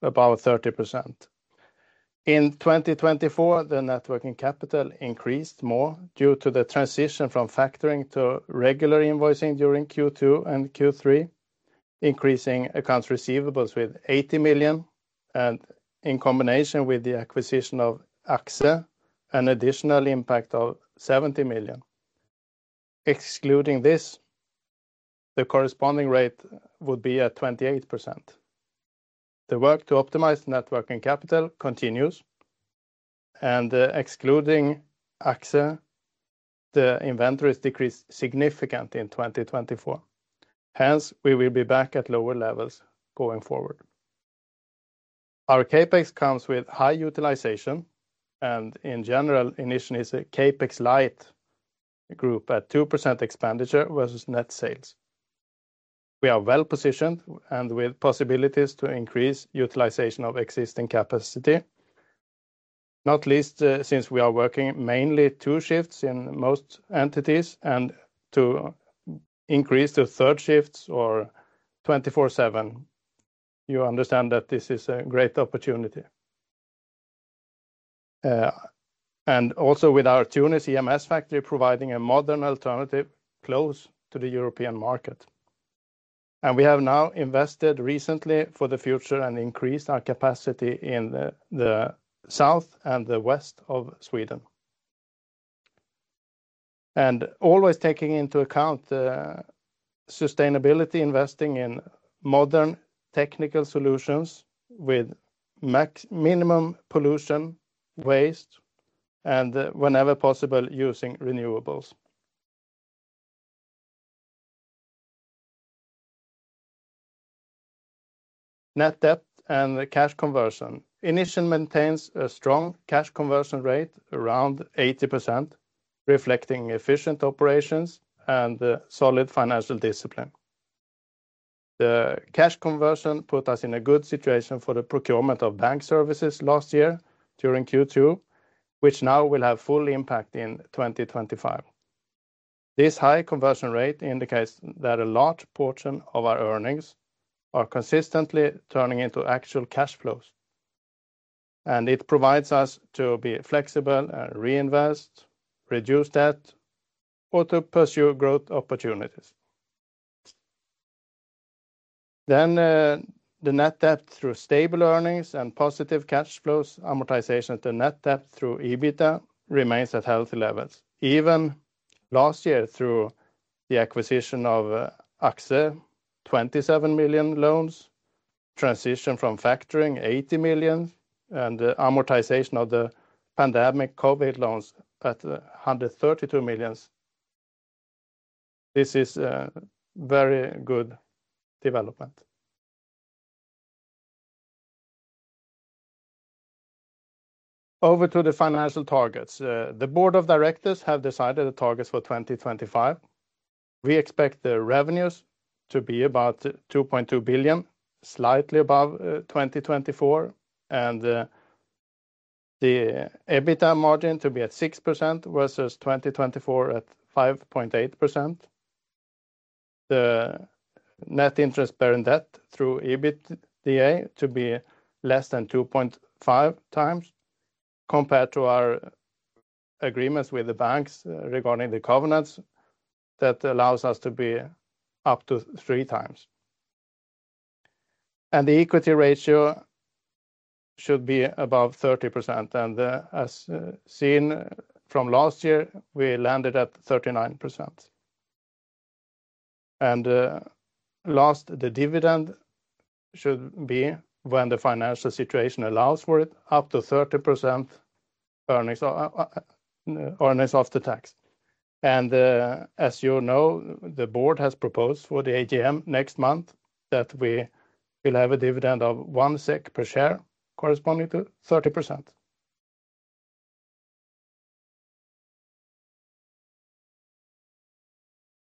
about 30%. In 2024, the net working capital increased more due to the transition from factoring to regular invoicing during Q2 and Q3, increasing accounts receivables with 80 million, and in combination with the acquisition of AXXE, an additional impact of 70 million. Excluding this, the corresponding rate would be at 28%. The work to optimize net working capital continues, and excluding AXXE, the inventories decreased significantly in 2024. Hence, we will be back at lower levels going forward. Our CapEx comes with high utilization, and in general, Inission is a CapEx light group at 2% expenditure versus net sales. We are well positioned and with possibilities to increase utilization of existing capacity, not least since we are working mainly two shifts in most entities and to increase to third shifts or 24/7. You understand that this is a great opportunity. Also, with our Tunis EMS factory providing a modern alternative close to the European market. We have now invested recently for the future and increased our capacity in the south and the west of Sweden. Always taking into account sustainability, investing in modern technical solutions with minimum pollution, waste, and whenever possible, using renewables. Net debt and cash conversion. Inission maintains a strong cash conversion rate around 80%, reflecting efficient operations and solid financial discipline. The cash conversion put us in a good situation for the procurement of bank services last year during Q2, which now will have full impact in 2025. This high conversion rate indicates that a large portion of our earnings are consistently turning into actual cash flows. It provides us to be flexible and reinvest, reduce debt, or to pursue growth opportunities. The net debt through stable earnings and positive cash flows amortization to net debt through EBITDA remains at healthy levels. Even last year through the acquisition of AXXE, 27 million loans, transition from factoring 80 million, and the amortization of the pandemic COVID loans at 132 million. This is a very good development. Over to the financial targets. The board of directors have decided the targets for 2025. We expect the revenues to be about 2.2 billion, slightly above 2024, and the EBITDA margin to be at 6% versus 2024 at 5.8%. The net interest-bearing debt through EBITDA to be less than 2.5 times compared to our agreements with the banks regarding the covenants that allows us to be up to three times. The equity ratio should be above 30%. As seen from last year, we landed at 39%. Last, the dividend should be, when the financial situation allows for it, up to 30% earnings after tax. As you know, the board has proposed for the AGM next month that we will have a dividend of 1 SEK per share corresponding to 30%.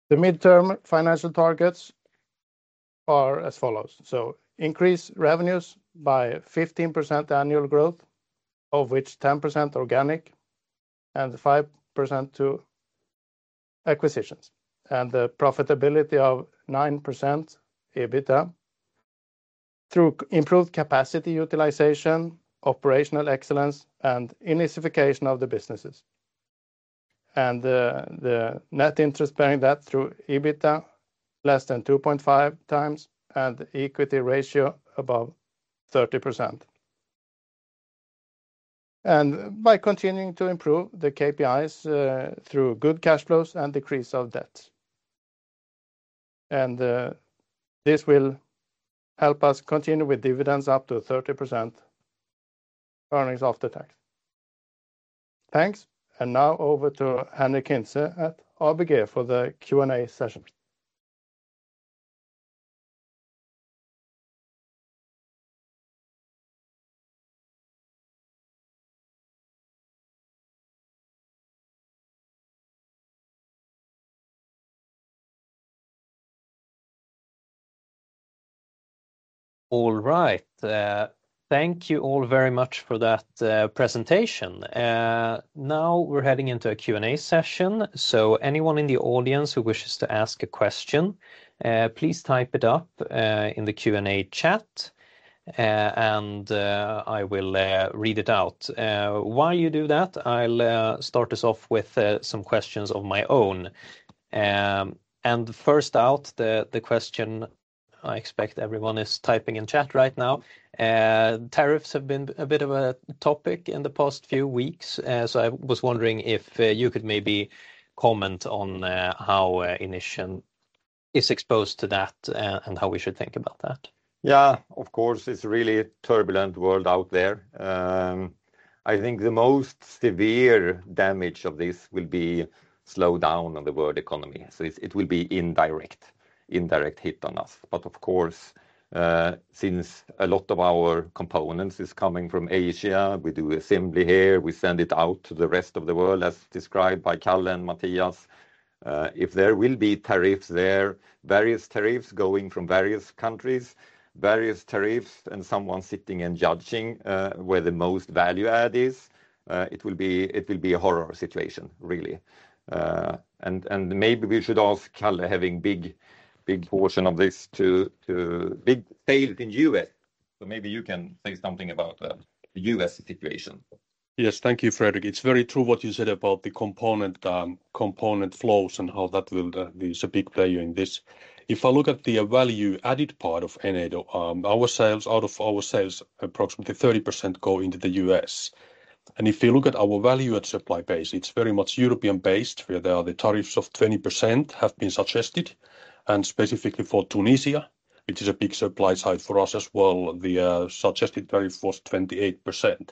The midterm financial targets are as follows. Increase revenues by 15% annual growth, of which 10% organic and 5% to acquisitions. The profitability of 9% EBITDA through improved capacity utilization, operational excellence, and unification of the businesses. The net interest-bearing debt through EBITDA less than 2.5 times and equity ratio above 30%. By continuing to improve the KPIs through good cash flows and decrease of debts. This will help us continue with dividends up to 30% earnings after tax. Thanks. Now over to Henric Hintze at ABG for the Q&A session. All right. Thank you all very much for that presentation. Now we're heading into a Q&A session. Anyone in the audience who wishes to ask a question, please type it up in the Q&A chat, and I will read it out. While you do that, I'll start us off with some questions of my own. First out, the question I expect everyone is typing in chat right now. Tariffs have been a bit of a topic in the past few weeks, so I was wondering if you could maybe comment on how Inission is exposed to that and how we should think about that. Yeah, of course, it's a really turbulent world out there. I think the most severe damage of this will be slowed down on the world economy. It will be an indirect hit on us. Of course, since a lot of our components are coming from Asia, we do assembly here, we send it out to the rest of the world, as described by Kalle and Mathias. If there will be tariffs there, various tariffs going from various countries, various tariffs, and someone sitting and judging where the most value add is, it will be a horror situation, really. Maybe we should ask Kalle having a big portion of this too big. Failed in the U.S. Maybe you can say something about the U.S. situation. Yes, thank you, Fredrik. It's very true what you said about the component flows and how that will be a big player in this. If I look at the value-added part of Enedo, our sales, out of our sales, approximately 30% go into the U.S. If you look at our value-added supply base, it's very much European-based, where there are the tariffs of 20% that have been suggested. Specifically for Tunisia, which is a big supply site for us as well, the suggested tariff was 28%.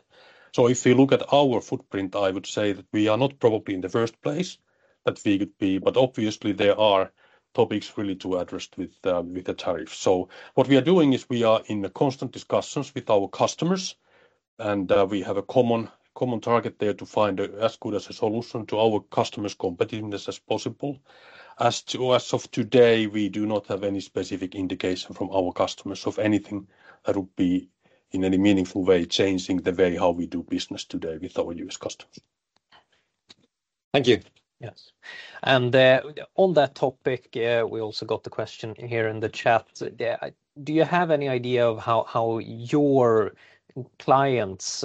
If you look at our footprint, I would say that we are not probably in the first place that we could be, but obviously there are topics really to address with the tariff. What we are doing is we are in constant discussions with our customers, and we have a common target there to find as good a solution to our customers' competitiveness as possible. As of today, we do not have any specific indication from our customers of anything that would be in any meaningful way changing the way how we do business today with our U.S. customers. Thank you. Yes. On that topic, we also got the question here in the chat. Do you have any idea of how your clients'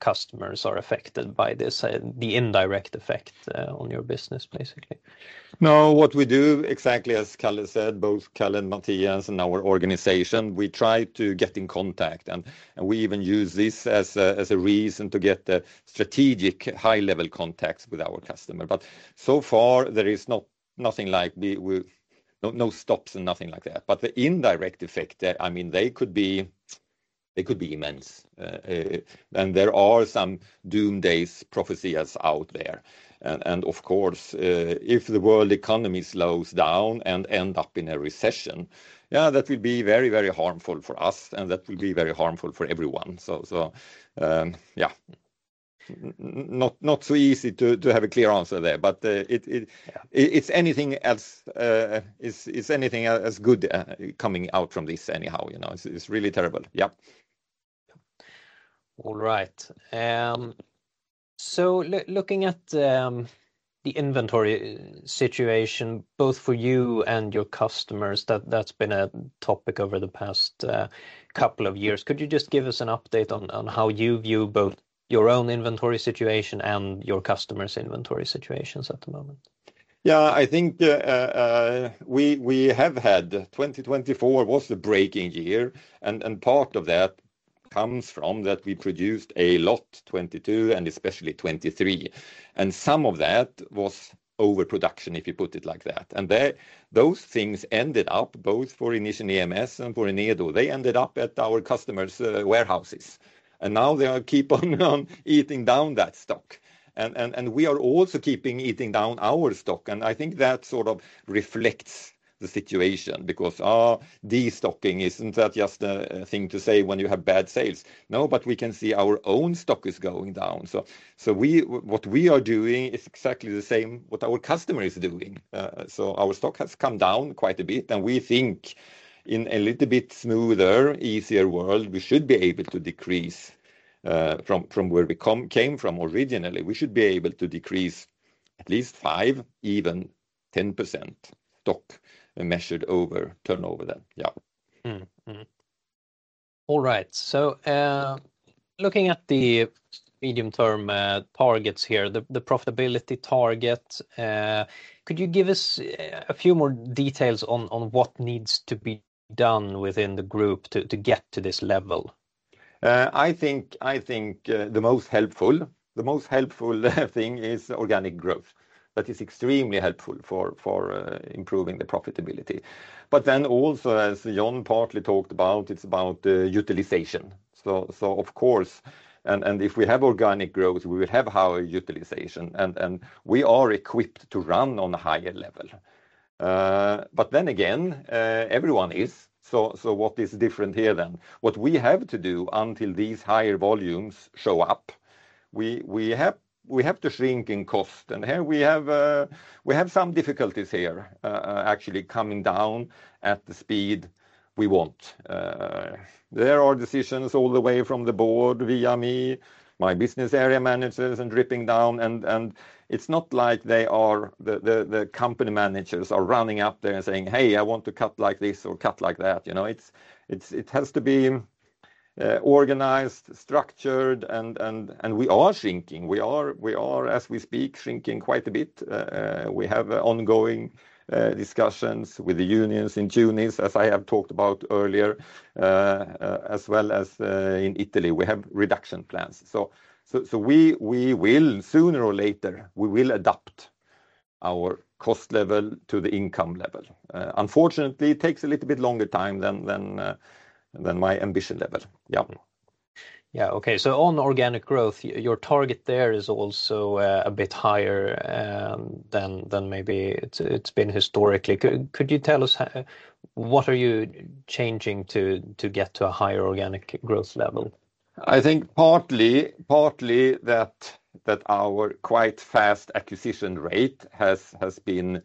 customers are affected by this, the indirect effect on your business, basically? No, what we do, exactly as Kalle said, both Kalle and Mathias and our organization, we try to get in contact, and we even use this as a reason to get the strategic high-level contacts with our customers. So far, there is nothing like no stops and nothing like that. The indirect effect, I mean, they could be immense. There are some doomsday prophecies out there. Of course, if the world economy slows down and ends up in a recession, yeah, that would be very, very harmful for us, and that would be very harmful for everyone. Yeah, not so easy to have a clear answer there, but it's anything as good coming out from this anyhow, you know, it's really terrible. Yeah. All right. Looking at the inventory situation, both for you and your customers, that's been a topic over the past couple of years. Could you just give us an update on how you view both your own inventory situation and your customers' inventory situations at the moment? Yeah, I think we have had 2024 was the breaking year, and part of that comes from that we produced a lot 2022 and especially 2023. Some of that was overproduction, if you put it like that. Those things ended up, both for Inission EMS and for Enedo, they ended up at our customers' warehouses. Now they keep on eating down that stock. We are also keeping eating down our stock. I think that sort of reflects the situation because destocking is not just a thing to say when you have bad sales. No, but we can see our own stock is going down. What we are doing is exactly the same as what our customer is doing. Our stock has come down quite a bit, and we think in a little bit smoother, easier world, we should be able to decrease from where we came from originally. We should be able to decrease at least 5%, even 10% stock measured over turnover then. Yeah. All right. Looking at the medium-term targets here, the profitability target, could you give us a few more details on what needs to be done within the group to get to this level? I think the most helpful, the most helpful thing is organic growth. That is extremely helpful for improving the profitability. Also, as John partly talked about, it's about utilization. Of course, if we have organic growth, we will have higher utilization, and we are equipped to run on a higher level. Then again, everyone is. What is different here then? What we have to do until these higher volumes show up, we have to shrink in cost. Here we have some difficulties actually coming down at the speed we want. There are decisions all the way from the board via me, my business area managers and dripping down. It is not like the company managers are running up there and saying, "Hey, I want to cut like this or cut like that." You know, it has to be organized, structured, and we are shrinking. We are, as we speak, shrinking quite a bit. We have ongoing discussions with the unions in Tunis, as I have talked about earlier, as well as in Italy. We have reduction plans. We will, sooner or later, adapt our cost level to the income level. Unfortunately, it takes a little bit longer time than my ambition level. Yeah. Yeah, okay. On organic growth, your target there is also a bit higher than maybe it's been historically. Could you tell us what are you changing to get to a higher organic growth level? I think partly that our quite fast acquisition rate has been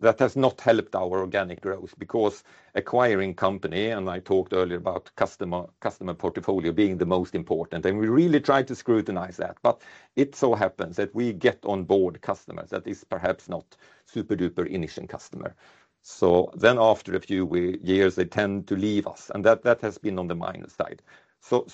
that has not helped our organic growth because acquiring company, and I talked earlier about customer portfolio being the most important, and we really tried to scrutinize that. It so happens that we get on board customers that are perhaps not super duper initial customers. After a few years, they tend to leave us, and that has been on the minor side.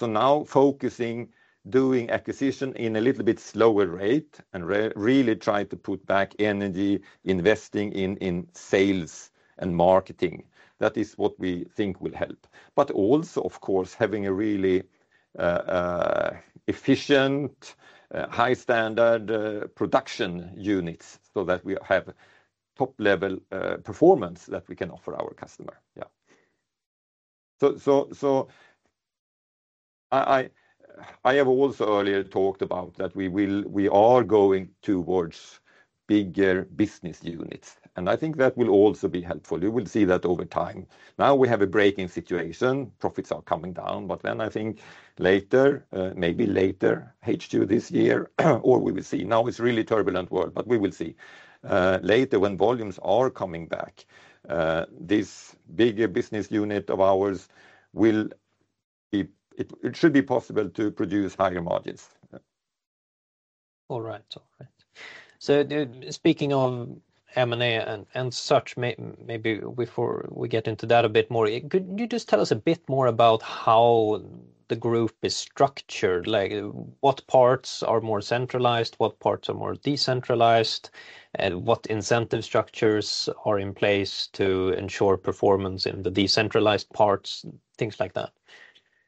Now focusing on doing acquisition in a little bit slower rate and really trying to put back energy, investing in sales and marketing. That is what we think will help. But also, of course, having a really efficient, high-standard production units so that we have top-level performance that we can offer our customers. Yeah. I have also earlier talked about that we are going towards bigger business units, and I think that will also be helpful. You will see that over time. Now we have a breaking situation. Profits are coming down, but then I think later, maybe later HQ this year, or we will see. Now it's a really turbulent world, but we will see. Later when volumes are coming back, this bigger business unit of ours will be, it should be possible to produce higher margins. All right, all right. Speaking of M&A and such, maybe before we get into that a bit more, could you just tell us a bit more about how the group is structured? What parts are more centralized, what parts are more decentralized, and what incentive structures are in place to ensure performance in the decentralized parts, things like that?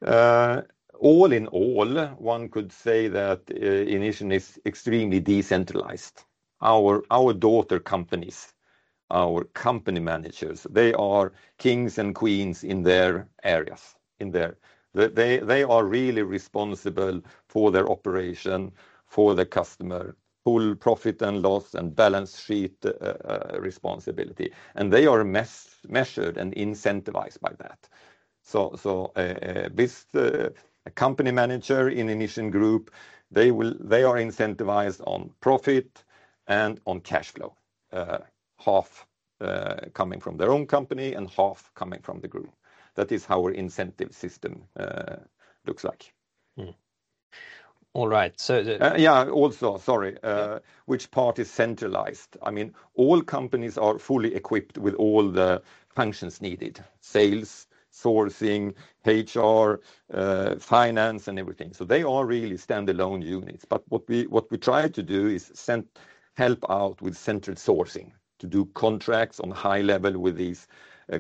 All in all, one could say that Inission is extremely decentralized. Our daughter companies, our company managers, they are kings and queens in their areas. They are really responsible for their operation, for the customer, full profit and loss and balance sheet responsibility. They are measured and incentivized by that. This company manager in Inission Group, they are incentivized on profit and on cash flow, half coming from their own company and half coming from the group. That is how our incentive system looks like. All right. Also, sorry, which part is centralized? I mean, all companies are fully equipped with all the functions needed: sales, sourcing, HR, finance, and everything. They are really standalone units. What we try to do is help out with central sourcing to do contracts on a high level with these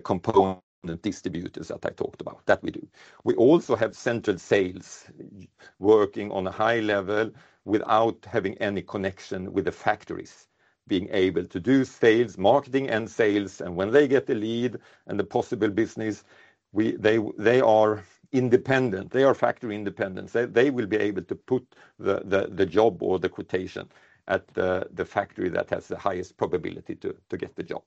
component distributors that I talked about that we do. We also have central sales working on a high level without having any connection with the factories, being able to do sales, marketing, and sales. When they get the lead and the possible business, they are independent. They are factory independent. They will be able to put the job or the quotation at the factory that has the highest probability to get the job.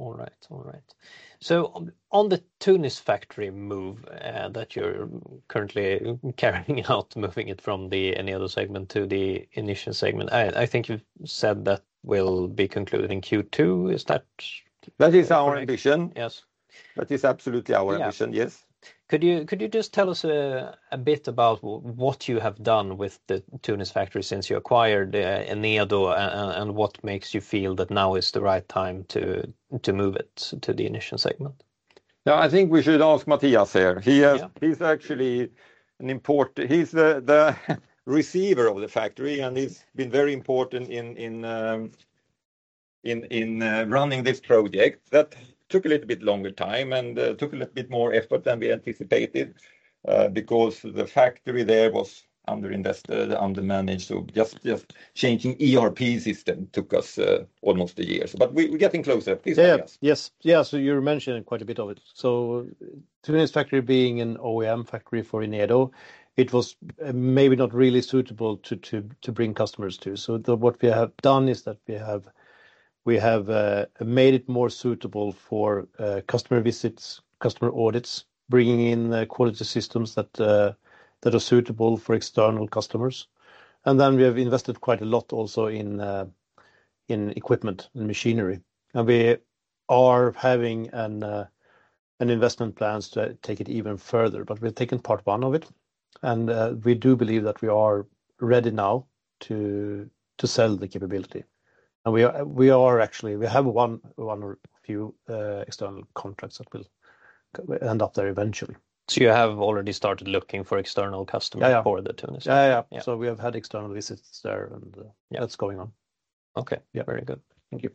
All right, all right. On the Tunis factory move that you're currently carrying out, moving it from the Enedo segment to the Inission segment, I think you said that will be concluded in Q2. Is that? That is our ambition. Yes. That is absolutely our ambition. Yes. Could you just tell us a bit about what you have done with the Tunis factory since you acquired Enedo and what makes you feel that now is the right time to move it to the Initial segment? Yeah, I think we should ask Mathias here. He's actually an import, he's the receiver of the factory, and he's been very important in running this project. That took a little bit longer time and took a little bit more effort than we anticipated because the factory there was underinvested, undermanaged. Just changing the ERP system took us almost a year. We are getting closer. Yes, yes, yes. You are mentioning quite a bit of it. Tunis factory being an OEM factory for Enedo, it was maybe not really suitable to bring customers to. What we have done is that we have made it more suitable for customer visits, customer audits, bringing in quality systems that are suitable for external customers. We have invested quite a lot also in equipment and machinery. We are having an investment plan to take it even further, but we've taken part one of it. We do believe that we are ready now to sell the capability. We are actually, we have one or a few external contracts that will end up there eventually. You have already started looking for external customers for the Tunis? Yeah, yeah. We have had external visits there, and that's going on. Okay, very good. Thank you.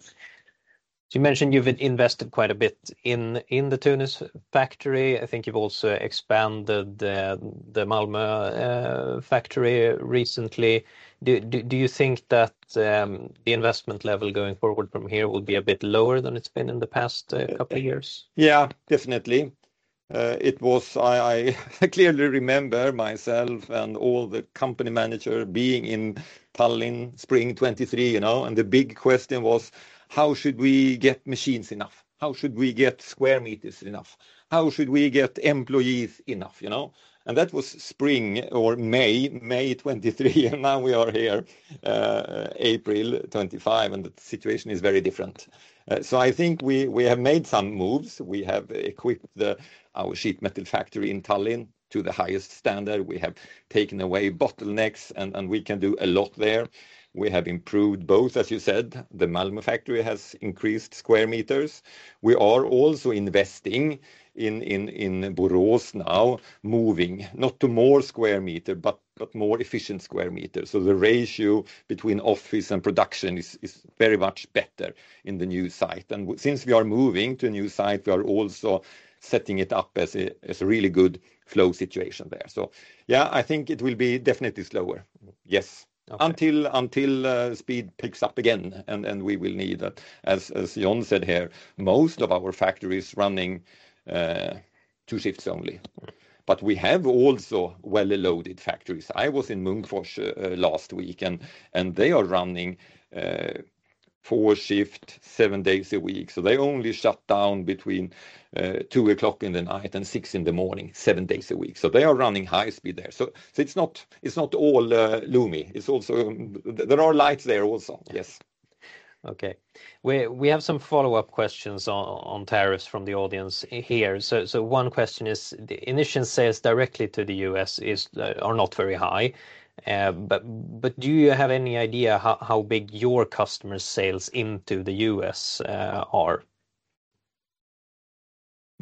You mentioned you've invested quite a bit in the Tunis factory. I think you've also expanded the Malmö factory recently. Do you think that the investment level going forward from here will be a bit lower than it's been in the past couple of years? Yeah, definitely. It was, I clearly remember myself and all the company managers being in Tallinn, Spring 2023, you know, and the big question was, how should we get machines enough? How should we get square meters enough? How should we get employees enough? You know, and that was Spring or May, May 2023, and now we are here, April 2025, and the situation is very different. I think we have made some moves. We have equipped our sheet metal factory in Tallinn to the highest standard. We have taken away bottlenecks, and we can do a lot there. We have improved both, as you said, the Malmö factory has increased square meters. We are also investing in Borås now, moving not to more square meters, but more efficient square meters. The ratio between office and production is very much better in the new site. Since we are moving to a new site, we are also setting it up as a really good flow situation there. Yeah, I think it will be definitely slower. Yes, until speed picks up again, and we will need that. As John said here, most of our factories are running two shifts only. We have also well-loaded factories. I was in Munkfors last week, and they are running four shifts, seven days a week. They only shut down between two o'clock in the night and six in the morning, seven days a week. They are running high speed there. It is not all loomy. There are lights there also, yes. Okay. We have some follow-up questions on tariffs from the audience here. One question is, initial sales directly to the U.S. are not very high. Do you have any idea how big your customer sales into the U.S. are?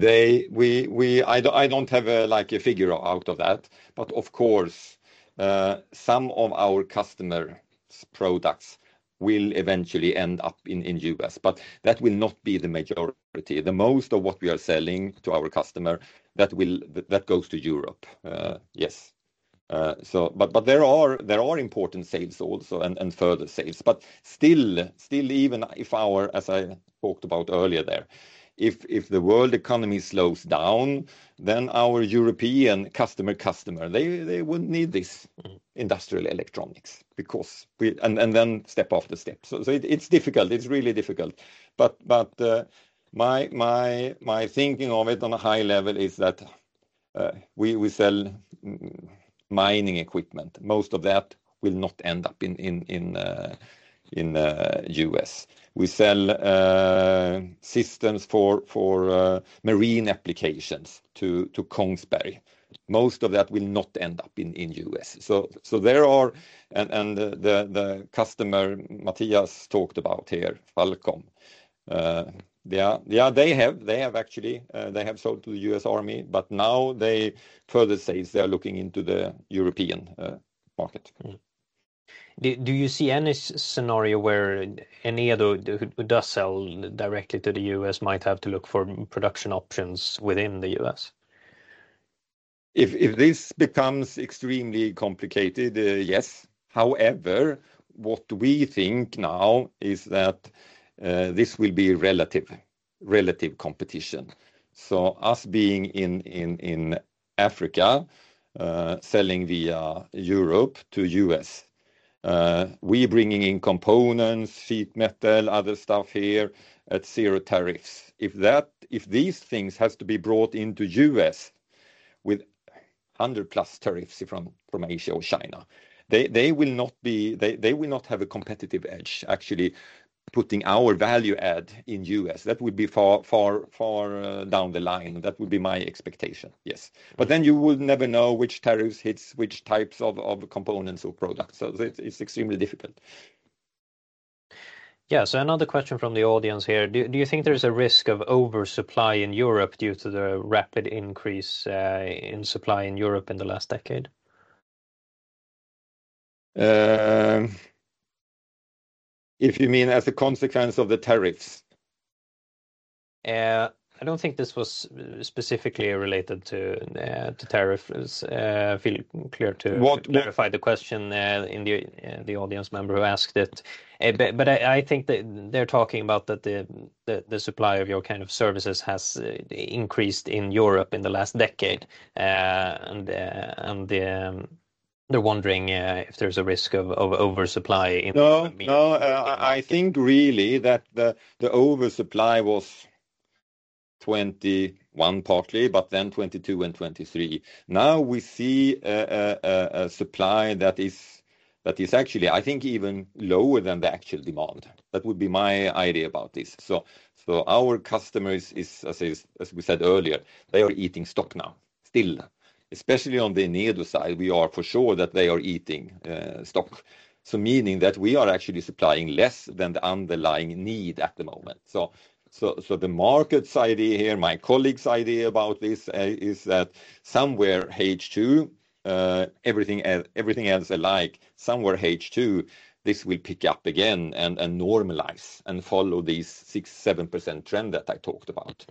I don't have a figure out of that. Of course, some of our customer products will eventually end up in the U.S., but that will not be the majority. Most of what we are selling to our customer, that goes to Europe. Yes, there are important sales also and further sales. Still, even if our, as I talked about earlier there, if the world economy slows down, then our European customer, they wouldn't need this industrial electronics because, and then step after step. It's difficult. It's really difficult. My thinking of it on a high level is that we sell mining equipment. Most of that will not end up in the U.S. We sell systems for marine applications to Kongsberg. Most of that will not end up in the U.S. There are, and the customer Mathias talked about here, Falcom, they have actually, they have sold to the U.S. Army, but now they further say they are looking into the European market. Do you see any scenario where Enedo, who does sell directly to the U.S., might have to look for production options within the U.S.? If this becomes extremely complicated, yes. However, what we think now is that this will be relative competition. Us being in Africa, selling via Europe to the U.S., we bringing in components, sheet metal, other stuff here at zero tariffs. If these things have to be brought into the U.S. with 100+ tariffs from Asia or China, they will not have a competitive edge actually putting our value add in the U.S. That would be far down the line. That would be my expectation, yes. You will never know which tariffs hit which types of components or products. It is extremely difficult. Another question from the audience here. Do you think there is a risk of oversupply in Europe due to the rapid increase in supply in Europe in the last decade? If you mean as a consequence of the tariffs? I do not think this was specifically related to tariffs. Feel free to clarify the question, the audience member who asked it. I think they are talking about that the supply of your kind of services has increased in Europe in the last decade. They're wondering if there's a risk of oversupply in the meantime. No, I think really that the oversupply was 2021 partly, but then 2022 and 2023. Now we see a supply that is actually, I think, even lower than the actual demand. That would be my idea about this. Our customers, as we said earlier, they are eating stock now still. Especially on the Enedo side, we are for sure that they are eating stock. Meaning that we are actually supplying less than the underlying need at the moment. The market's idea here, my colleague's idea about this is that somewhere H2, everything else alike, somewhere H2, this will pick up again and normalize and follow this 6%-7% trend that I talked about.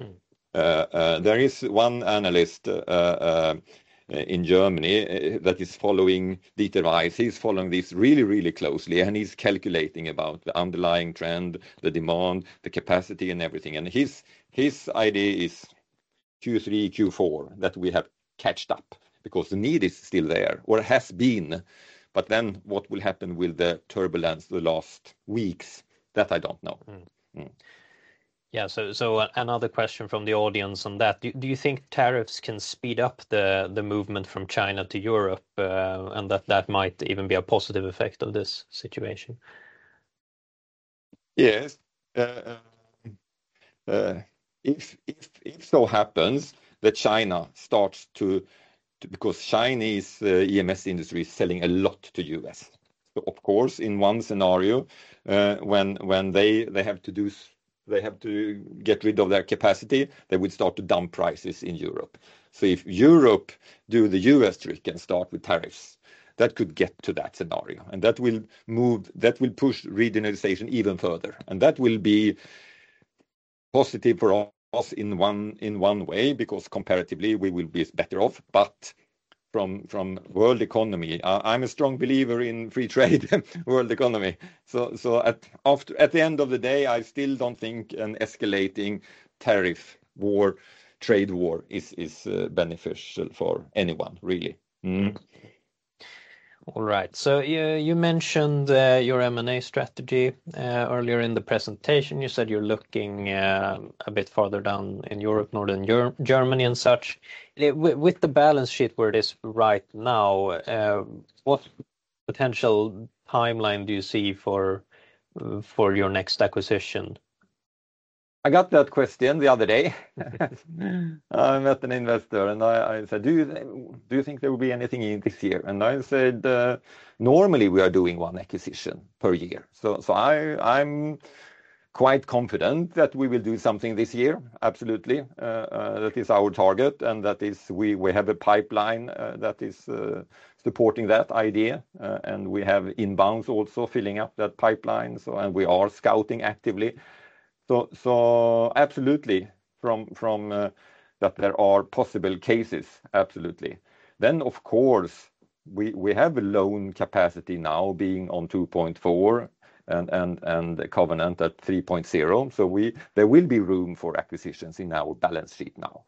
There is one analyst in Germany that is following Dieter Weiss. He's following this really, really closely, and he's calculating about the underlying trend, the demand, the capacity, and everything. His idea is Q3, Q4 that we have catched up because the need is still there or has been. What will happen with the turbulence the last weeks, that I don't know. Yeah, another question from the audience on that. Do you think tariffs can speed up the movement from China to Europe and that that might even be a positive effect of this situation? Yes. If so happens that China starts to, because Chinese EMS industry is selling a lot to the U.S. Of course, in one scenario, when they have to do, they have to get rid of their capacity, they would start to dump prices in Europe. If Europe does the U.S. trick and starts with tariffs, that could get to that scenario. That will push regionalization even further. That will be positive for us in one way because comparatively we will be better off. From a world economy perspective, I am a strong believer in free trade, world economy. At the end of the day, I still do not think an escalating tariff war, trade war is beneficial for anyone, really. All right. You mentioned your M&A strategy earlier in the presentation. You said you are looking a bit farther down in Europe, northern Germany and such. With the balance sheet where it is right now, what potential timeline do you see for your next acquisition? I got that question the other day. I met an investor and I said, "Do you think there will be anything this year?" I said, "Normally we are doing one acquisition per year." I am quite confident that we will do something this year, absolutely. That is our target and we have a pipeline that is supporting that idea. We have inbounds also filling up that pipeline. We are scouting actively. Absolutely, there are possible cases, absolutely. Of course, we have a loan capacity now being on 2.4 and a covenant at 3.0. There will be room for acquisitions in our balance sheet now.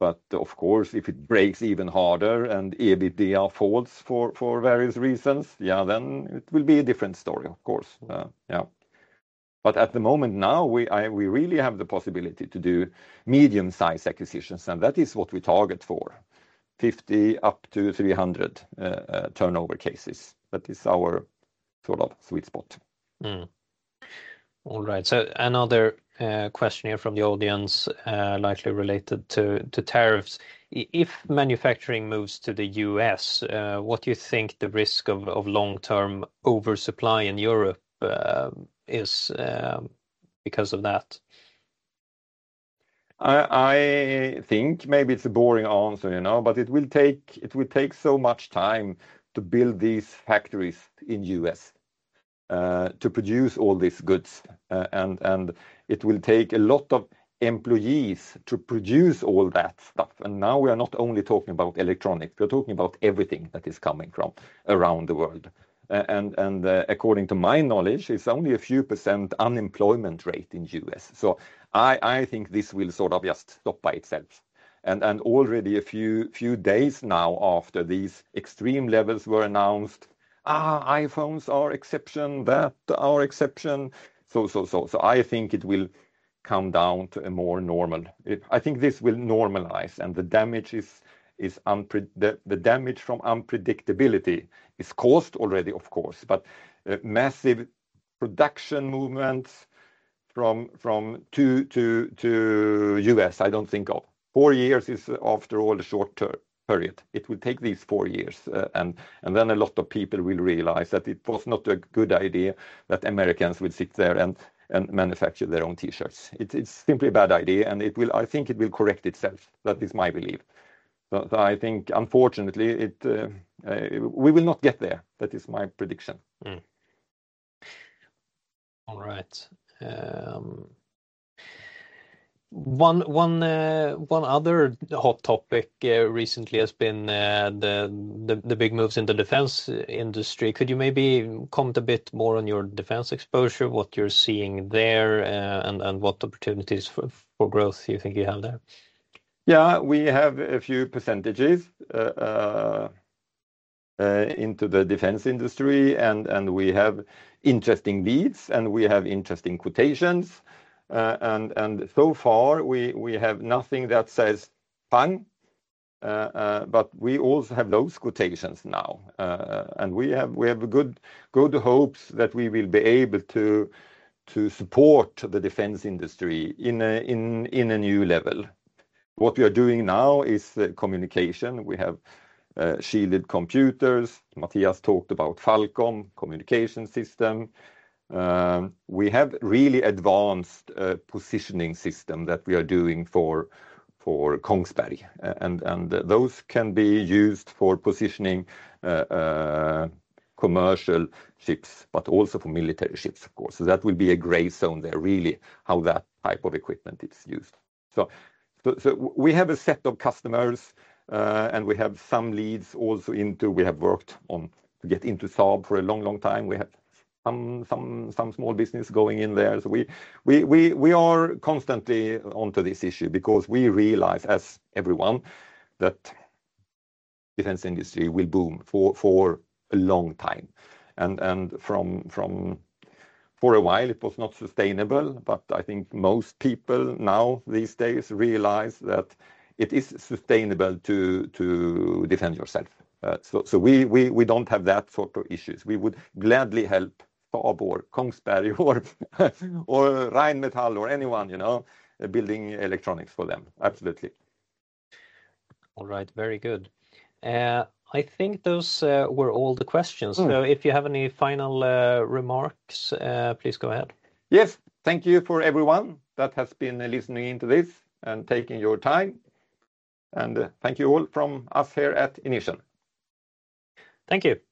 Of course, if it breaks even harder and EBITDA falls for various reasons, yeah, it will be a different story, of course. At the moment now, we really have the possibility to do medium-sized acquisitions. That is what we target for, 50-300 turnover cases. That is our sort of sweet spot. All right. Another question here from the audience, likely related to tariffs. If manufacturing moves to the U.S., what do you think the risk of long-term oversupply in Europe is because of that? I think maybe it's a boring answer, you know, but it will take so much time to build these factories in the U.S. to produce all these goods. It will take a lot of employees to produce all that stuff. Now we are not only talking about electronics. We're talking about everything that is coming from around the world. According to my knowledge, it's only a few % unemployment rate in the U.S. I think this will sort of just stop by itself. Already a few days now after these extreme levels were announced, iPhones are exception, that are exception. I think it will come down to a more normal. I think this will normalize and the damage from unpredictability is caused already, of course. Massive production movements from the U.S., I do not think of. Four years is after all a short period. It will take these four years. A lot of people will realize that it was not a good idea that Americans would sit there and manufacture their own T-shirts. It is simply a bad idea. I think it will correct itself. That is my belief. I think unfortunately we will not get there. That is my prediction. All right. One other hot topic recently has been the big moves in the defense industry. Could you maybe comment a bit more on your defense exposure, what you're seeing there, and what opportunities for growth you think you have there? Yeah, we have a few % into the defense industry. We have interesting leads. We have interesting quotations. So far, we have nothing that says pang. We also have those quotations now. We have good hopes that we will be able to support the defense industry in a new level. What we are doing now is communication. We have shielded computers. Mathias talked about Falcom, communication system. We have really advanced positioning system that we are doing for Kongsberg. Those can be used for positioning commercial ships, but also for military ships, of course. That will be a gray zone there, really, how that type of equipment is used. We have a set of customers. We have some leads also into we have worked on to get into Saab for a long, long time. We have some small business going in there. We are constantly onto this issue because we realize, as everyone, that the defense industry will boom for a long time. For a while, it was not sustainable. I think most people now these days realize that it is sustainable to defend yourself. We do not have that sort of issues. We would gladly help Saab or Kongsberg or Rheinmetall or anyone, you know, building electronics for them. Absolutely. All right. Very good. I think those were all the questions. If you have any final remarks, please go ahead. Yes. Thank you for everyone that has been listening into this and taking your time. Thank you all from us here at Inission. Thank you.